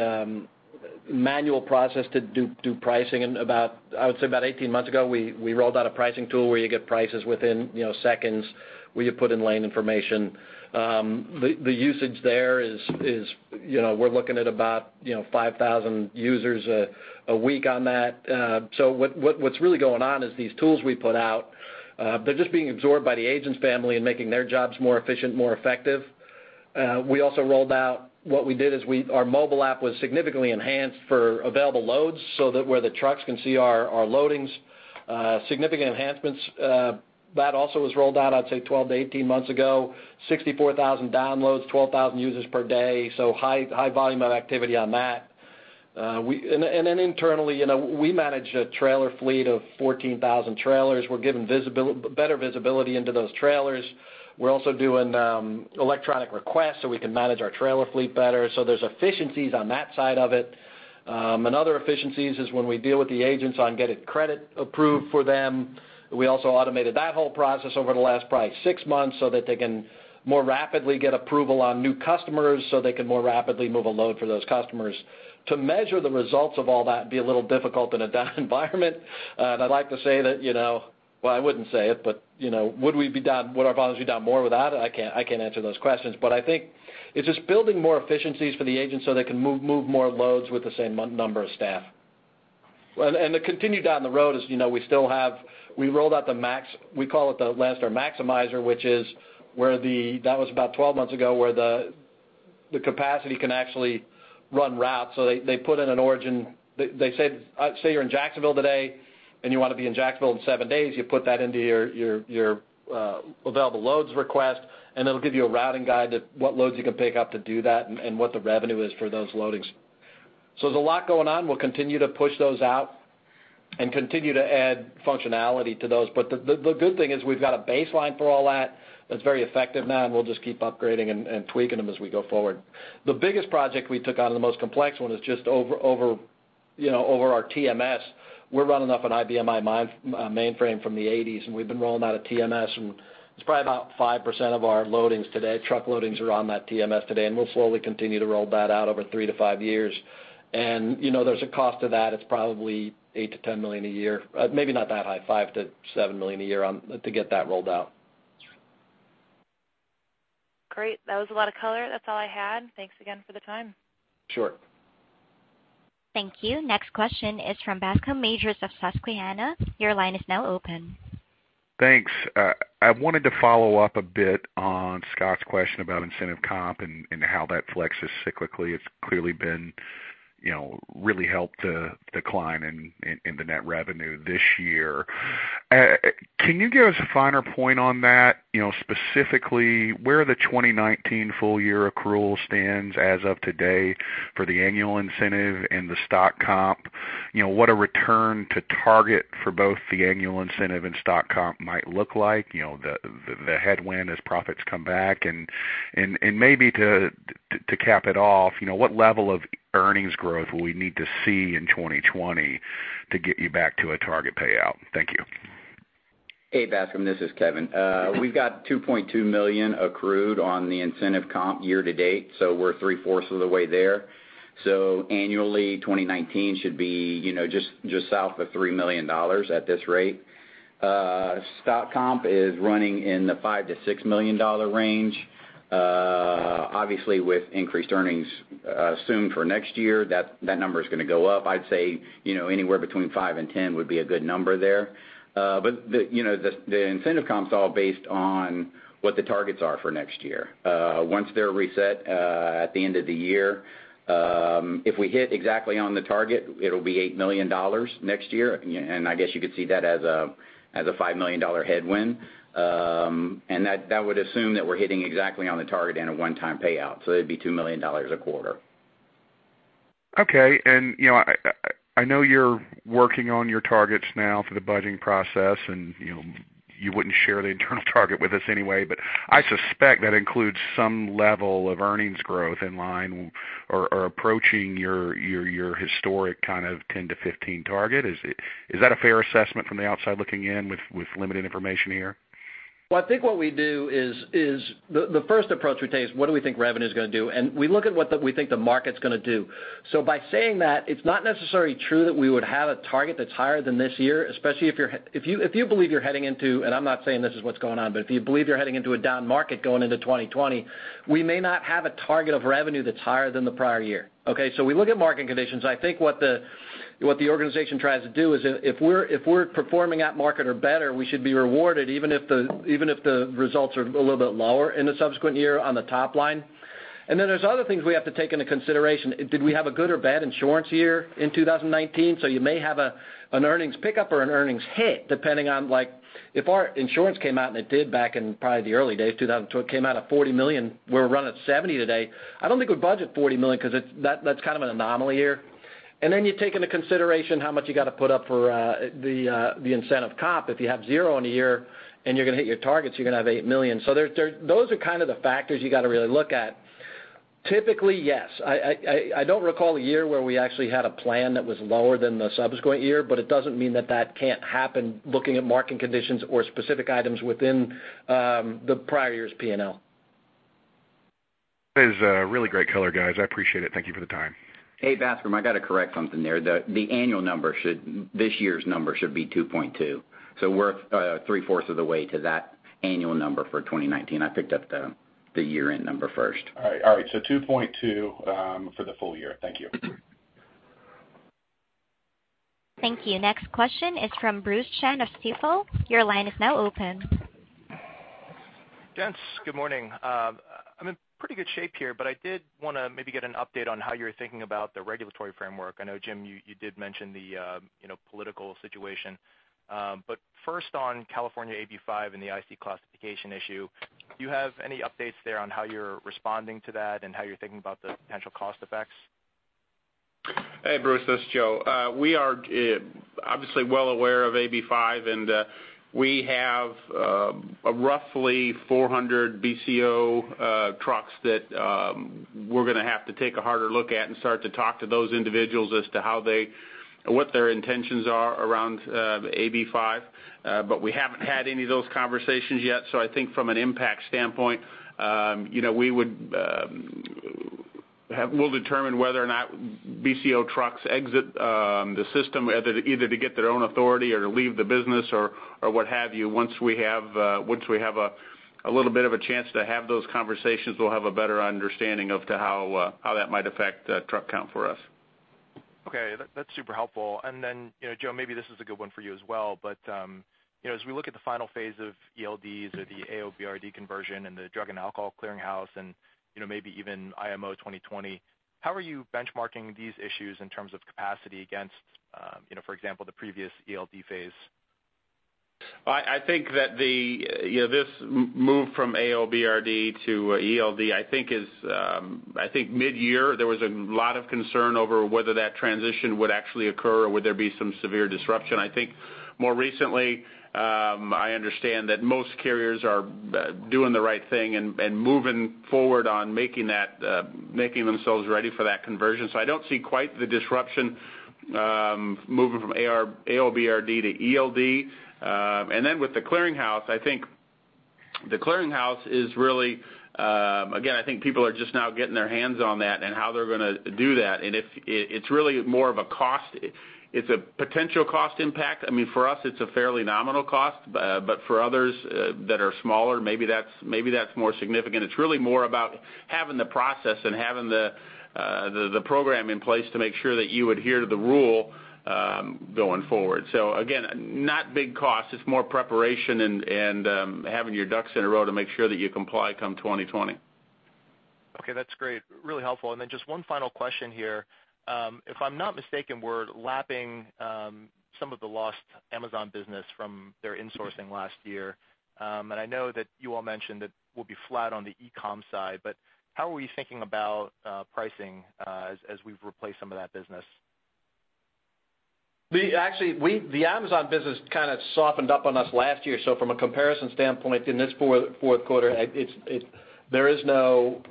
manual process to do pricing. And about, I would say, about 18 months ago, we rolled out a pricing tool where you get prices within, you know, seconds, where you put in lane information. The usage there is, you know, we're looking at about, you know, 5,000 users a week on that. So what's really going on is these tools we put out, they're just being absorbed by the agents family and making their jobs more efficient, more effective. We also rolled out... What we did is our mobile app was significantly enhanced for available loads, so that where the trucks can see our, our loadings, significant enhancements, that also was rolled out, I'd say, 12-18 months ago, 64,000 downloads, 12,000 users per day, so high, high volume of activity on that. And then internally, you know, we manage a trailer fleet of 14,000 trailers. We're given better visibility into those trailers. We're also doing electronic requests, so we can manage our trailer fleet better. So there's efficiencies on that side of it. Another efficiencies is when we deal with the agents on getting credit approved for them. We also automated that whole process over the last probably six months, so that they can more rapidly get approval on new customers, so they can more rapidly move a load for those customers. To measure the results of all that would be a little difficult in a down environment. And I'd like to say that, you know, well, I wouldn't say it, but, you know, would we be down, would our volumes be down more without it? I can't, I can't answer those questions. But I think it's just building more efficiencies for the agents so they can move more loads with the same number of staff. Well, and to continue down the road, as you know, we still have, we rolled out the Max, we call it the Landstar Maximizer, which is where the... That was about 12 months ago, where the capacity can actually run routes. So they put in an origin, they say, say, you're in Jacksonville today, and you want to be in Jacksonville in 7 days. You put that into your available loads request, and it'll give you a routing guide that what loads you can pick up to do that and what the revenue is for those loadings. So there's a lot going on. We'll continue to push those out and continue to add functionality to those. But the good thing is we've got a baseline for all that, that's very effective now, and we'll just keep upgrading and tweaking them as we go forward. The biggest project we took on, and the most complex one, is just over, you know, over our TMS. We're running off an IBM i mainframe from the 1980s, and we've been rolling out a TMS, and it's probably about 5% of our loadings today, truck loadings are on that TMS today, and we'll slowly continue to roll that out over 3-5 years. You know, there's a cost to that. It's probably $8 million-$10 million a year. Maybe not that high, $5 million-$7 million a year, to get that rolled out. Great! That was a lot of color. That's all I had. Thanks again for the time. Sure. Thank you. Next question is from Bascome Majors of Susquehanna. Your line is now open. Thanks. I wanted to follow up a bit on Scott's question about incentive comp and how that flexes cyclically. It's clearly been, you know, really helped the decline in, in the net revenue this year. Can you give us a finer point on that? You know, specifically, where the 2019 full year accrual stands as of today for the annual incentive and the stock comp? You know, what a return to target for both the annual incentive and stock comp might look like, you know, the headwind as profits come back. And maybe to cap it off, you know, what level of earnings growth will we need to see in 2020 to get you back to a target payout? Thank you. Hey, Bascome, this is Kevin. We've got $2.2 million accrued on the incentive comp year to date, so we're three-fourths of the way there. So annually, 2019 should be, you know, just south of $3 million at this rate. Stock comp is running in the $5 million-$6 million range. Obviously, with increased earnings assumed for next year, that number is gonna go up. I'd say, you know, anywhere between $5 million and $10 million would be a good number there. But the, you know, the incentive comp's all based on what the targets are for next year. Once they're reset at the end of the year, if we hit exactly on the target, it'll be $8 million next year. And I guess you could see that as a $5 million headwind. And that would assume that we're hitting exactly on the target and a one-time payout, so it'd be $2 million a quarter. Okay. And, you know, I know you're working on your targets now for the budgeting process, and, you know, you wouldn't share the internal target with us anyway, but I suspect that includes some level of earnings growth in line or, or approaching your, your, your historic kind of 10-15 target. Is it, is that a fair assessment from the outside looking in, with, with limited information here? Well, I think what we do is the first approach we take is what do we think revenue is gonna do? And we look at what we think the market's gonna do. So by saying that, it's not necessarily true that we would have a target that's higher than this year, especially if you're, if you, if you believe you're heading into, and I'm not saying this is what's going on, but if you believe you're heading into a down market going into 2020, we may not have a target of revenue that's higher than the prior year, okay? So we look at market conditions. I think what the, what the organization tries to do is if, if we're, if we're performing at market or better, we should be rewarded, even if the, even if the results are a little bit lower in the subsequent year on the top line. And then there's other things we have to take into consideration. Did we have a good or bad insurance year in 2019? So you may have a, an earnings pickup or an earnings hit, depending on, like, if our insurance came out, and it did back in probably the early days, 2000, came out at $40 million, we're running at $70 million today, I don't think we'd budget $40 million because it's, that's kind of an anomaly year. And then you take into consideration how much you got to put up for, the, the incentive comp. If you have zero in a year and you're gonna hit your targets, you're gonna have $8 million. So, those are kind of the factors you got to really look at. Typically, yes. I don't recall a year where we actually had a plan that was lower than the subsequent year, but it doesn't mean that that can't happen looking at market conditions or specific items within the prior year's P&L. This is really great color, guys. I appreciate it. Thank you for the time. Hey, Bascome, I got to correct something there. The annual number should, this year's number should be 2.2. So we're three-fourths of the way to that annual number for 2019. I picked up the year-end number first. All right. All right, so 2.2 for the full year. Thank you. Thank you. Next question is from Bruce Chan of Stifel. Your line is now open. Gents, good morning. I'm in pretty good shape here, but I did want to maybe get an update on how you're thinking about the regulatory framework. I know, Jim, you, you did mention the, you know, political situation. But first on California AB5 and the IC classification issue, do you have any updates there on how you're responding to that and how you're thinking about the potential cost effects? Hey, Bruce, this is Joe. We are obviously well aware of AB5, and we have roughly 400 BCO trucks that we're gonna have to take a harder look at and start to talk to those individuals as to how they—what their intentions are around AB5. But we haven't had any of those conversations yet, so I think from an impact standpoint, you know, we would have. We'll determine whether or not BCO trucks exit the system, either to get their own authority or to leave the business or what have you. Once we have a little bit of a chance to have those conversations, we'll have a better understanding of how that might affect truck count for us. Okay, that's, that's super helpful. And then, you know, Joe, maybe this is a good one for you as well, but, you know, as we look at the final phase of ELDs or the AOBRD conversion and the Drug and Alcohol Clearinghouse and, you know, maybe even IMO 2020, how are you benchmarking these issues in terms of capacity against, you know, for example, the previous ELD phase? I think that the, you know, this move from AOBRD to ELD, I think is. I think mid-year, there was a lot of concern over whether that transition would actually occur or would there be some severe disruption. I think more recently, I understand that most carriers are doing the right thing and moving forward on making that, making themselves ready for that conversion. So I don't see quite the disruption, moving from AOBRD to ELD. And then with the Clearinghouse, I think the Clearinghouse is really, again, I think people are just now getting their hands on that and how they're gonna do that. And if it, it's really more of a cost. It's a potential cost impact. I mean, for us, it's a fairly nominal cost, but for others that are smaller, maybe that's more significant. It's really more about having the process and having the program in place to make sure that you adhere to the rule going forward. So again, not big cost. It's more preparation and having your ducks in a row to make sure that you comply come 2020.... Okay, that's great. Really helpful. And then just one final question here. If I'm not mistaken, we're lapping some of the lost Amazon business from their insourcing last year. And I know that you all mentioned that we'll be flat on the e-com side, but how are we thinking about pricing as we've replaced some of that business? We actually, the Amazon business kind of softened up on us last year. So from a comparison standpoint, in this fourth quarter, it's, there is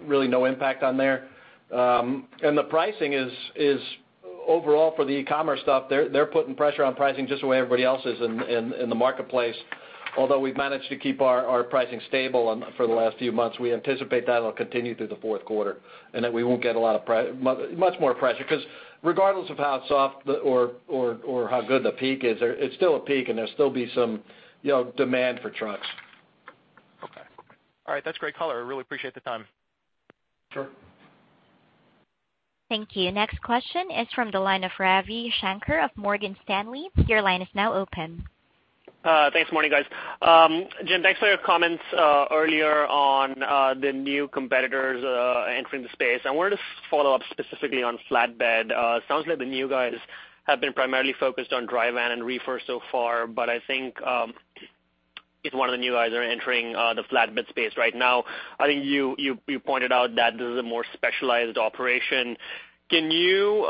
really no impact there. And the pricing is overall for the e-commerce stuff, they're putting pressure on pricing just the way everybody else is in the marketplace. Although we've managed to keep our pricing stable for the last few months, we anticipate that'll continue through the fourth quarter, and that we won't get a lot more pressure. Because regardless of how soft or how good the peak is, it's still a peak, and there'll still be some, you know, demand for trucks. Okay. All right, that's great color. I really appreciate the time. Sure. Thank you. Next question is from the line of Ravi Shanker of Morgan Stanley. Your line is now open. Thanks, morning, guys. Jim, thanks for your comments earlier on the new competitors entering the space. I wanted to follow up specifically on flatbed. It sounds like the new guys have been primarily focused on dry van and reefer so far, but I think, if one of the new guys are entering the flatbed space right now, I think you pointed out that this is a more specialized operation. Can you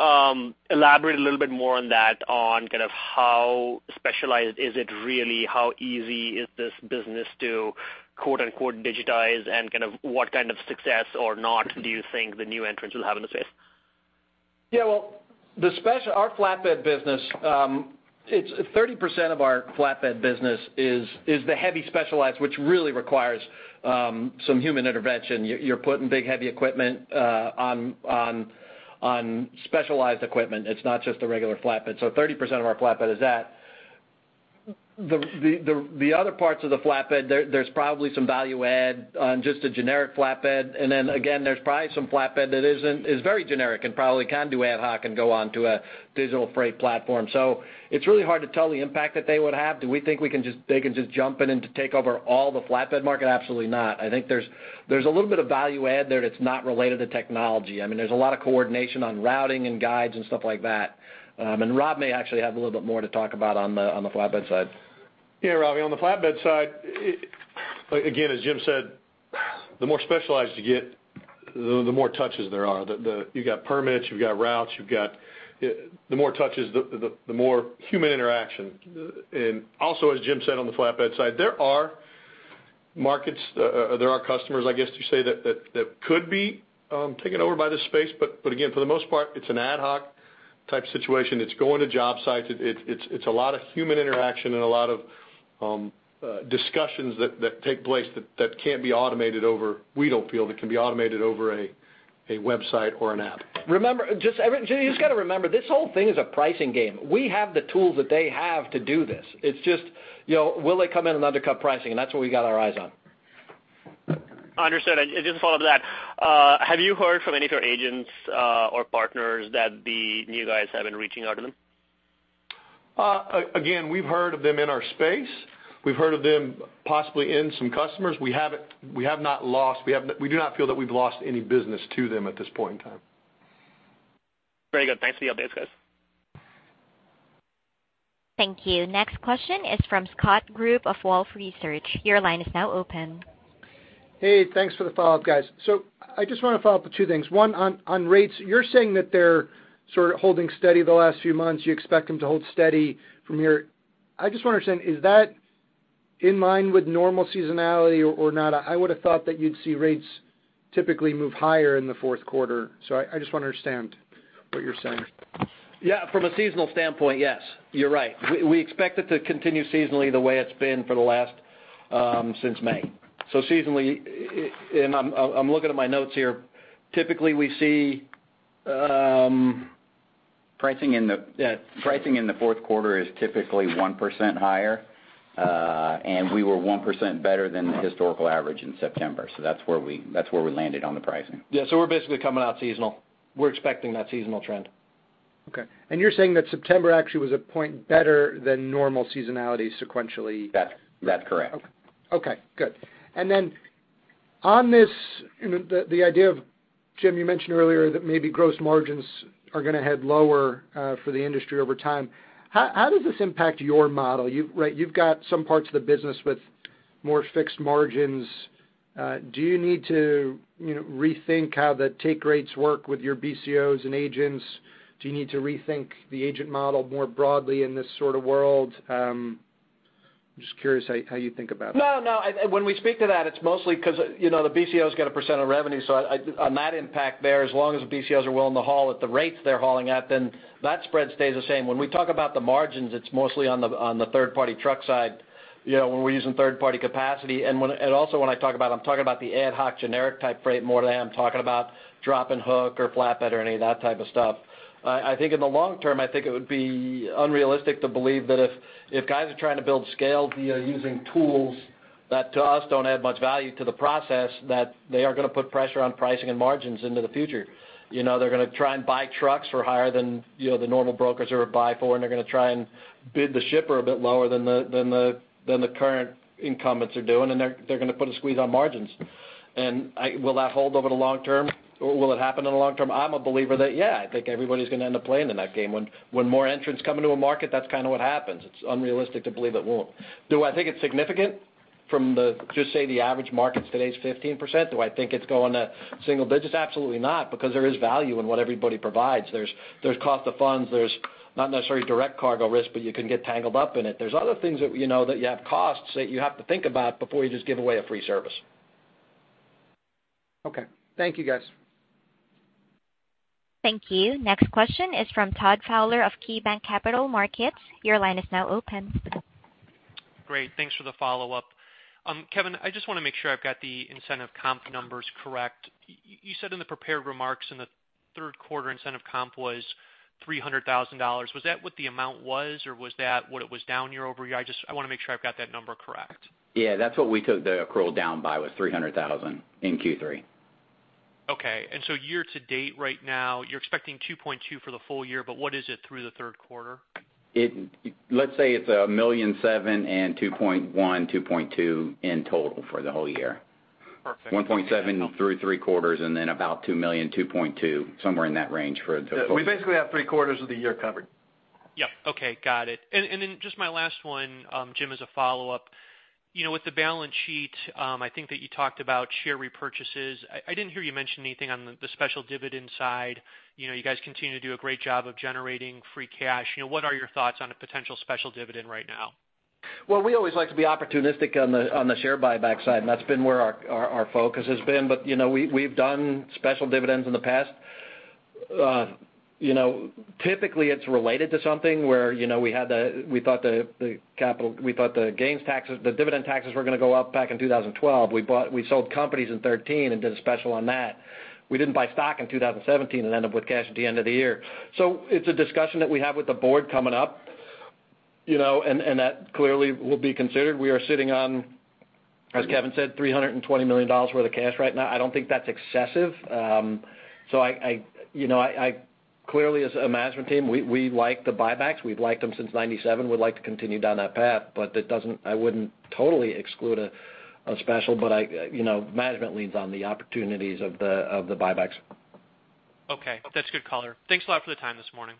elaborate a little bit more on that, on kind of how specialized is it really? How easy is this business to, quote, unquote, digitize, and kind of what kind of success or not do you think the new entrants will have in the space? Yeah, well, our flatbed business, it's 30% of our flatbed business is the heavy specialized, which really requires some human intervention. You're putting big, heavy equipment on specialized equipment. It's not just a regular flatbed. So 30% of our flatbed is that. The other parts of the flatbed, there's probably some value add on just a generic flatbed. And then again, there's probably some flatbed that is very generic and probably can do ad hoc and go on to a digital freight platform. So it's really hard to tell the impact that they would have. Do we think they can just jump in and take over all the flatbed market? Absolutely not. I think there's a little bit of value add there that's not related to technology. I mean, there's a lot of coordination on routing and guides and stuff like that. And Rob may actually have a little bit more to talk about on the flatbed side. Yeah, Ravi, on the flatbed side, it... Again, as Jim said, the more specialized you get, the more touches there are. You've got permits, you've got routes, you've got the more touches, the more human interaction. And also, as Jim said, on the flatbed side, there are markets, there are customers, I guess to say that could be taken over by this space. But again, for the most part, it's an ad hoc type situation. It's going to job sites. It's a lot of human interaction and a lot of discussions that take place that can't be automated over, we don't feel it can be automated over a website or an app. Remember, just so you just got to remember, this whole thing is a pricing game. We have the tools that they have to do this. It's just, you know, will they come in and undercut pricing? And that's what we got our eyes on. Understood. And just to follow up to that, have you heard from any of your agents or partners that the new guys have been reaching out to them? Again, we've heard of them in our space. We've heard of them possibly in some customers. We haven't, we have not lost, we have not—we do not feel that we've lost any business to them at this point in time. Very good. Thanks for the updates, guys. Thank you. Next question is from Scott Group of Wolfe Research. Your line is now open. Hey, thanks for the follow-up, guys. So I just want to follow up with two things. One, on rates, you're saying that they're sort of holding steady the last few months. You expect them to hold steady from here. I just want to understand, is that in line with normal seasonality or not? I would have thought that you'd see rates typically move higher in the fourth quarter, so I just want to understand what you're saying. Yeah, from a seasonal standpoint, yes, you're right. We expect it to continue seasonally the way it's been for the last since May. So seasonally, and I'm looking at my notes here. Typically, we see. Pricing in the fourth quarter is typically 1% higher, and we were 1% better than the historical average in September. So that's where we landed on the pricing. Yeah, so we're basically coming out seasonal. We're expecting that seasonal trend. Okay. And you're saying that September actually was a point better than normal seasonality sequentially? That's, that's correct. Okay, good. And then on this, you know, the idea of, Jim, you mentioned earlier that maybe gross margins are going to head lower for the industry over time. How does this impact your model? You've, right, you've got some parts of the business with more fixed margins. Do you need to, you know, rethink how the take rates work with your BCOs and agents? Do you need to rethink the agent model more broadly in this sort of world? I'm just curious how you think about it. No, no. When we speak to that, it's mostly 'cause, you know, the BCO's got a percent of revenue, so I, I, on that impact there, as long as the BCOs are willing to haul at the rates they're hauling at, then that spread stays the same. When we talk about the margins, it's mostly on the, on the third-party truck side, you know, when we're using third-party capacity. And when, and also, when I talk about, I'm talking about the ad hoc, generic type freight more than I am talking about drop and hook or flatbed or any of that type of stuff. I think in the long term, I think it would be unrealistic to believe that if guys are trying to build scale via using tools that, to us, don't add much value to the process, that they are going to put pressure on pricing and margins into the future. You know, they're going to try and buy trucks for higher than, you know, the normal brokers ever buy for, and they're going to try and bid the shipper a bit lower than the current incumbents are doing, and they're going to put a squeeze on margins... And will that hold over the long term, or will it happen in the long term? I'm a believer that, yeah, I think everybody's going to end up playing in that game. When more entrants come into a market, that's kind of what happens. It's unrealistic to believe it won't. Do I think it's significant from the, just say, the average markets today is 15%? Do I think it's going to single digits? Absolutely not, because there is value in what everybody provides. There's cost of funds, there's not necessarily direct cargo risk, but you can get tangled up in it. There's other things that, you know, that you have costs that you have to think about before you just give away a free service. Okay. Thank you, guys. Thank you. Next question is from Todd Fowler of KeyBanc Capital Markets. Your line is now open. Great, thanks for the follow-up. Kevin, I just want to make sure I've got the incentive comp numbers correct. You, you said in the prepared remarks in the third quarter, incentive comp was $300,000. Was that what the amount was, or was that what it was down year-over-year? I just, I want to make sure I've got that number correct. Yeah, that's what we took the accrual down by, was $300,000 in Q3. Okay. And so year to date right now, you're expecting 2.2 for the full year, but what is it through the third quarter? It, let's say it's $1.7 million and $2.1-$2.2 million in total for the whole year. Perfect. 1.7 through three quarters, and then about $2 million-$2.2 million, somewhere in that range for the full- We basically have three quarters of the year covered. Yep. Okay, got it. And, and then just my last one, Jim, as a follow-up. You know, with the balance sheet, I think that you talked about share repurchases. I, I didn't hear you mention anything on the, the special dividend side. You know, you guys continue to do a great job of generating free cash. You know, what are your thoughts on a potential special dividend right now? Well, we always like to be opportunistic on the share buyback side, and that's been where our focus has been. But, you know, we've done special dividends in the past. You know, typically, it's related to something where, you know, we thought the capital—we thought the gains taxes, the dividend taxes were going to go up back in 2012. We sold companies in 2013 and did a special on that. We didn't buy stock in 2017 and end up with cash at the end of the year. So it's a discussion that we have with the board coming up, you know, and that clearly will be considered. We are sitting on, as Kevin said, $320 million worth of cash right now. I don't think that's excessive. So, you know, I clearly, as a management team, we like the buybacks. We've liked them since 1997. We'd like to continue down that path, but it doesn't. I wouldn't totally exclude a special, but, you know, management leans on the opportunities of the buybacks. Okay. That's good color. Thanks a lot for the time this morning.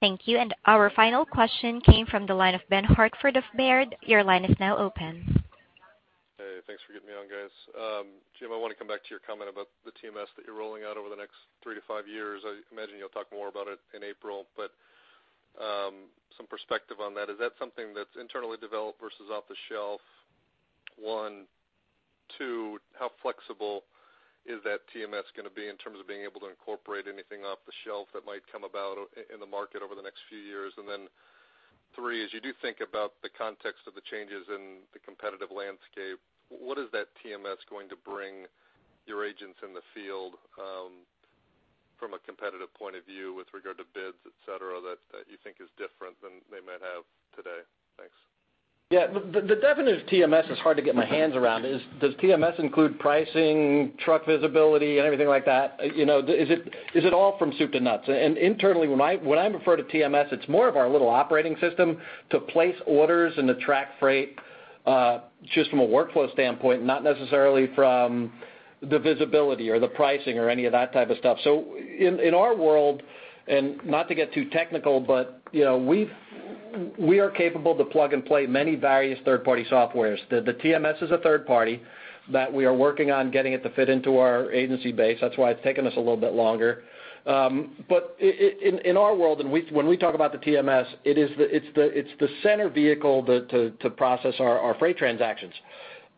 Thank you. And our final question came from the line of Ben Hartford of Baird. Your line is now open. Hey, thanks for getting me on, guys. Jim, I want to come back to your comment about the TMS that you're rolling out over the next 3-5 years. I imagine you'll talk more about it in April, but, some perspective on that. Is that something that's internally developed versus off the shelf? One. Two, how flexible is that TMS going to be in terms of being able to incorporate anything off the shelf that might come about in, in the market over the next few years? And then three, as you do think about the context of the changes in the competitive landscape, what is that TMS going to bring your agents in the field, from a competitive point of view with regard to bids, et cetera, that, that you think is different than they might have today? Thanks. Yeah. The definition of TMS is hard to get my hands around. Does TMS include pricing, truck visibility, and everything like that? You know, is it all from soup to nuts? And internally, when I refer to TMS, it's more of our little operating system to place orders and to track freight, just from a workflow standpoint, not necessarily from the visibility or the pricing or any of that type of stuff. So in our world, and not to get too technical, but you know, we are capable to plug and play many various third-party softwares. The TMS is a third party that we are working on getting it to fit into our agency base. That's why it's taken us a little bit longer. But in our world, when we talk about the TMS, it is the center vehicle to process our freight transactions.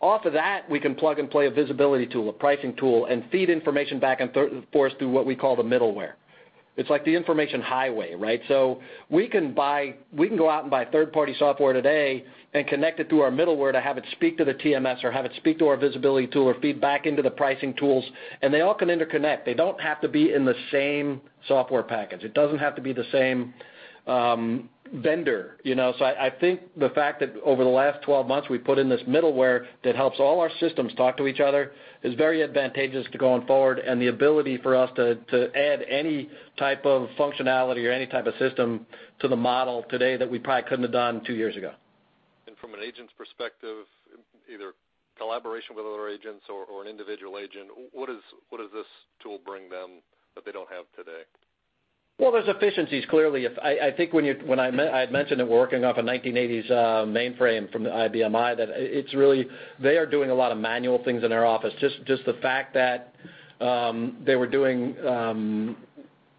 Off of that, we can plug and play a visibility tool, a pricing tool, and feed information back and forth for us through what we call the middleware. It's like the information highway, right? So we can buy, we can go out and buy third-party software today and connect it to our middleware to have it speak to the TMS or have it speak to our visibility tool or feed back into the pricing tools, and they all can interconnect. They don't have to be in the same software package. It doesn't have to be the same vendor, you know? I think the fact that over the last 12 months, we put in this middleware that helps all our systems talk to each other, is very advantageous to going forward, and the ability for us to add any type of functionality or any type of system to the model today, that we probably couldn't have done 2 years ago. From an agent's perspective, either collaboration with other agents or, or an individual agent, what is, what does this tool bring them that they don't have today? Well, there's efficiencies, clearly. If I think when I had mentioned that we're working off a 1980s mainframe from the IBM i, that it's really, they are doing a lot of manual things in our office. Just the fact that they were doing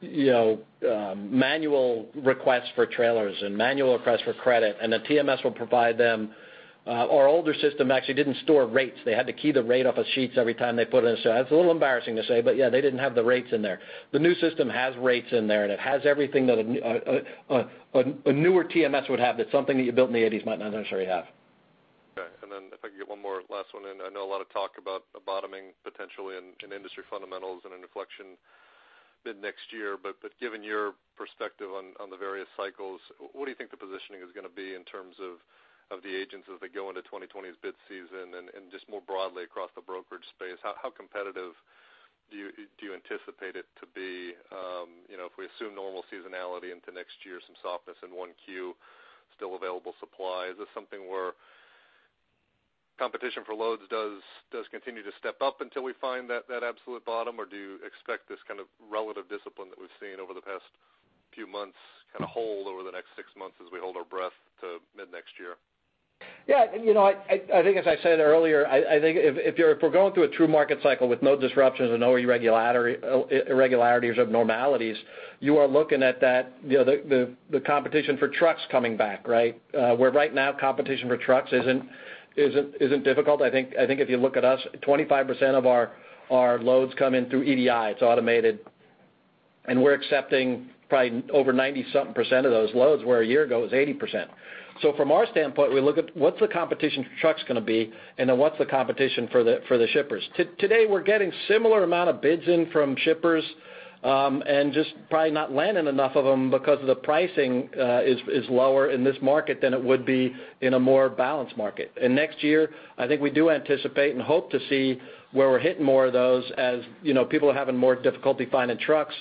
you know manual requests for trailers and manual requests for credit, and the TMS will provide them. Our older system actually didn't store rates. They had to key the rate off of sheets every time they put it in. So it's a little embarrassing to say, but yeah, they didn't have the rates in there. The new system has rates in there, and it has everything that a newer TMS would have, that something that you built in the 1980s might not necessarily have. Okay. And then if I could get one more last one in. I know a lot of talk about a bottoming potentially in industry fundamentals and an inflection mid-next year. But given your perspective on the various cycles, what do you think the positioning is going to be in terms of the agents as they go into 2020's bid season? And just more broadly across the brokerage space, how competitive do you anticipate it to be, you know, if we assume normal seasonality into next year, some softness in 1Q, still available supply, is this something where competition for loads does continue to step up until we find that absolute bottom? Or do you expect this kind of relative discipline that we've seen over the past few months kind of hold over the next six months as we hold our breath to mid-next year? Yeah, you know, I think as I said earlier, I think if you're—if we're going through a true market cycle with no disruptions and no irregularities, abnormalities, you are looking at that, you know, the competition for trucks coming back, right? Where right now, competition for trucks isn't difficult. I think if you look at us, 25% of our loads come in through EDI. It's automated, and we're accepting probably over 90-something% of those loads, where a year ago, it was 80%. So from our standpoint, we look at what's the competition for trucks going to be, and then what's the competition for the shippers? Today, we're getting similar amount of bids in from shippers, and just probably not landing enough of them because the pricing is lower in this market than it would be in a more balanced market. And next year, I think we do anticipate and hope to see where we're hitting more of those, as you know, people are having more difficulty finding trucks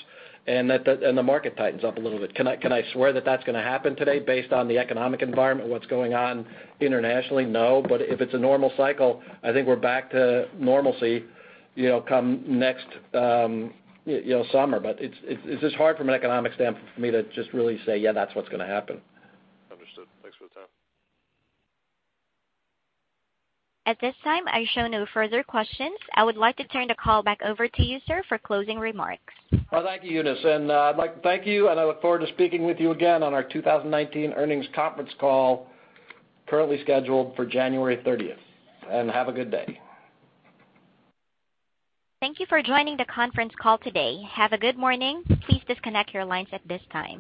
and that the market tightens up a little bit. Can I swear that that's going to happen today based on the economic environment, what's going on internationally? No, but if it's a normal cycle, I think we're back to normalcy, you know, come next, you know, summer. But it's just hard from an economic standpoint for me to just really say, "Yeah, that's what's going to happen. Understood. Thanks for the time. At this time, I show no further questions. I would like to turn the call back over to you, sir, for closing remarks. Well, thank you, Eunice, and I'd like to thank you, and I look forward to speaking with you again on our 2019 earnings conference call, currently scheduled for January 30th. Have a good day. Thank you for joining the conference call today. Have a good morning. Please disconnect your lines at this time.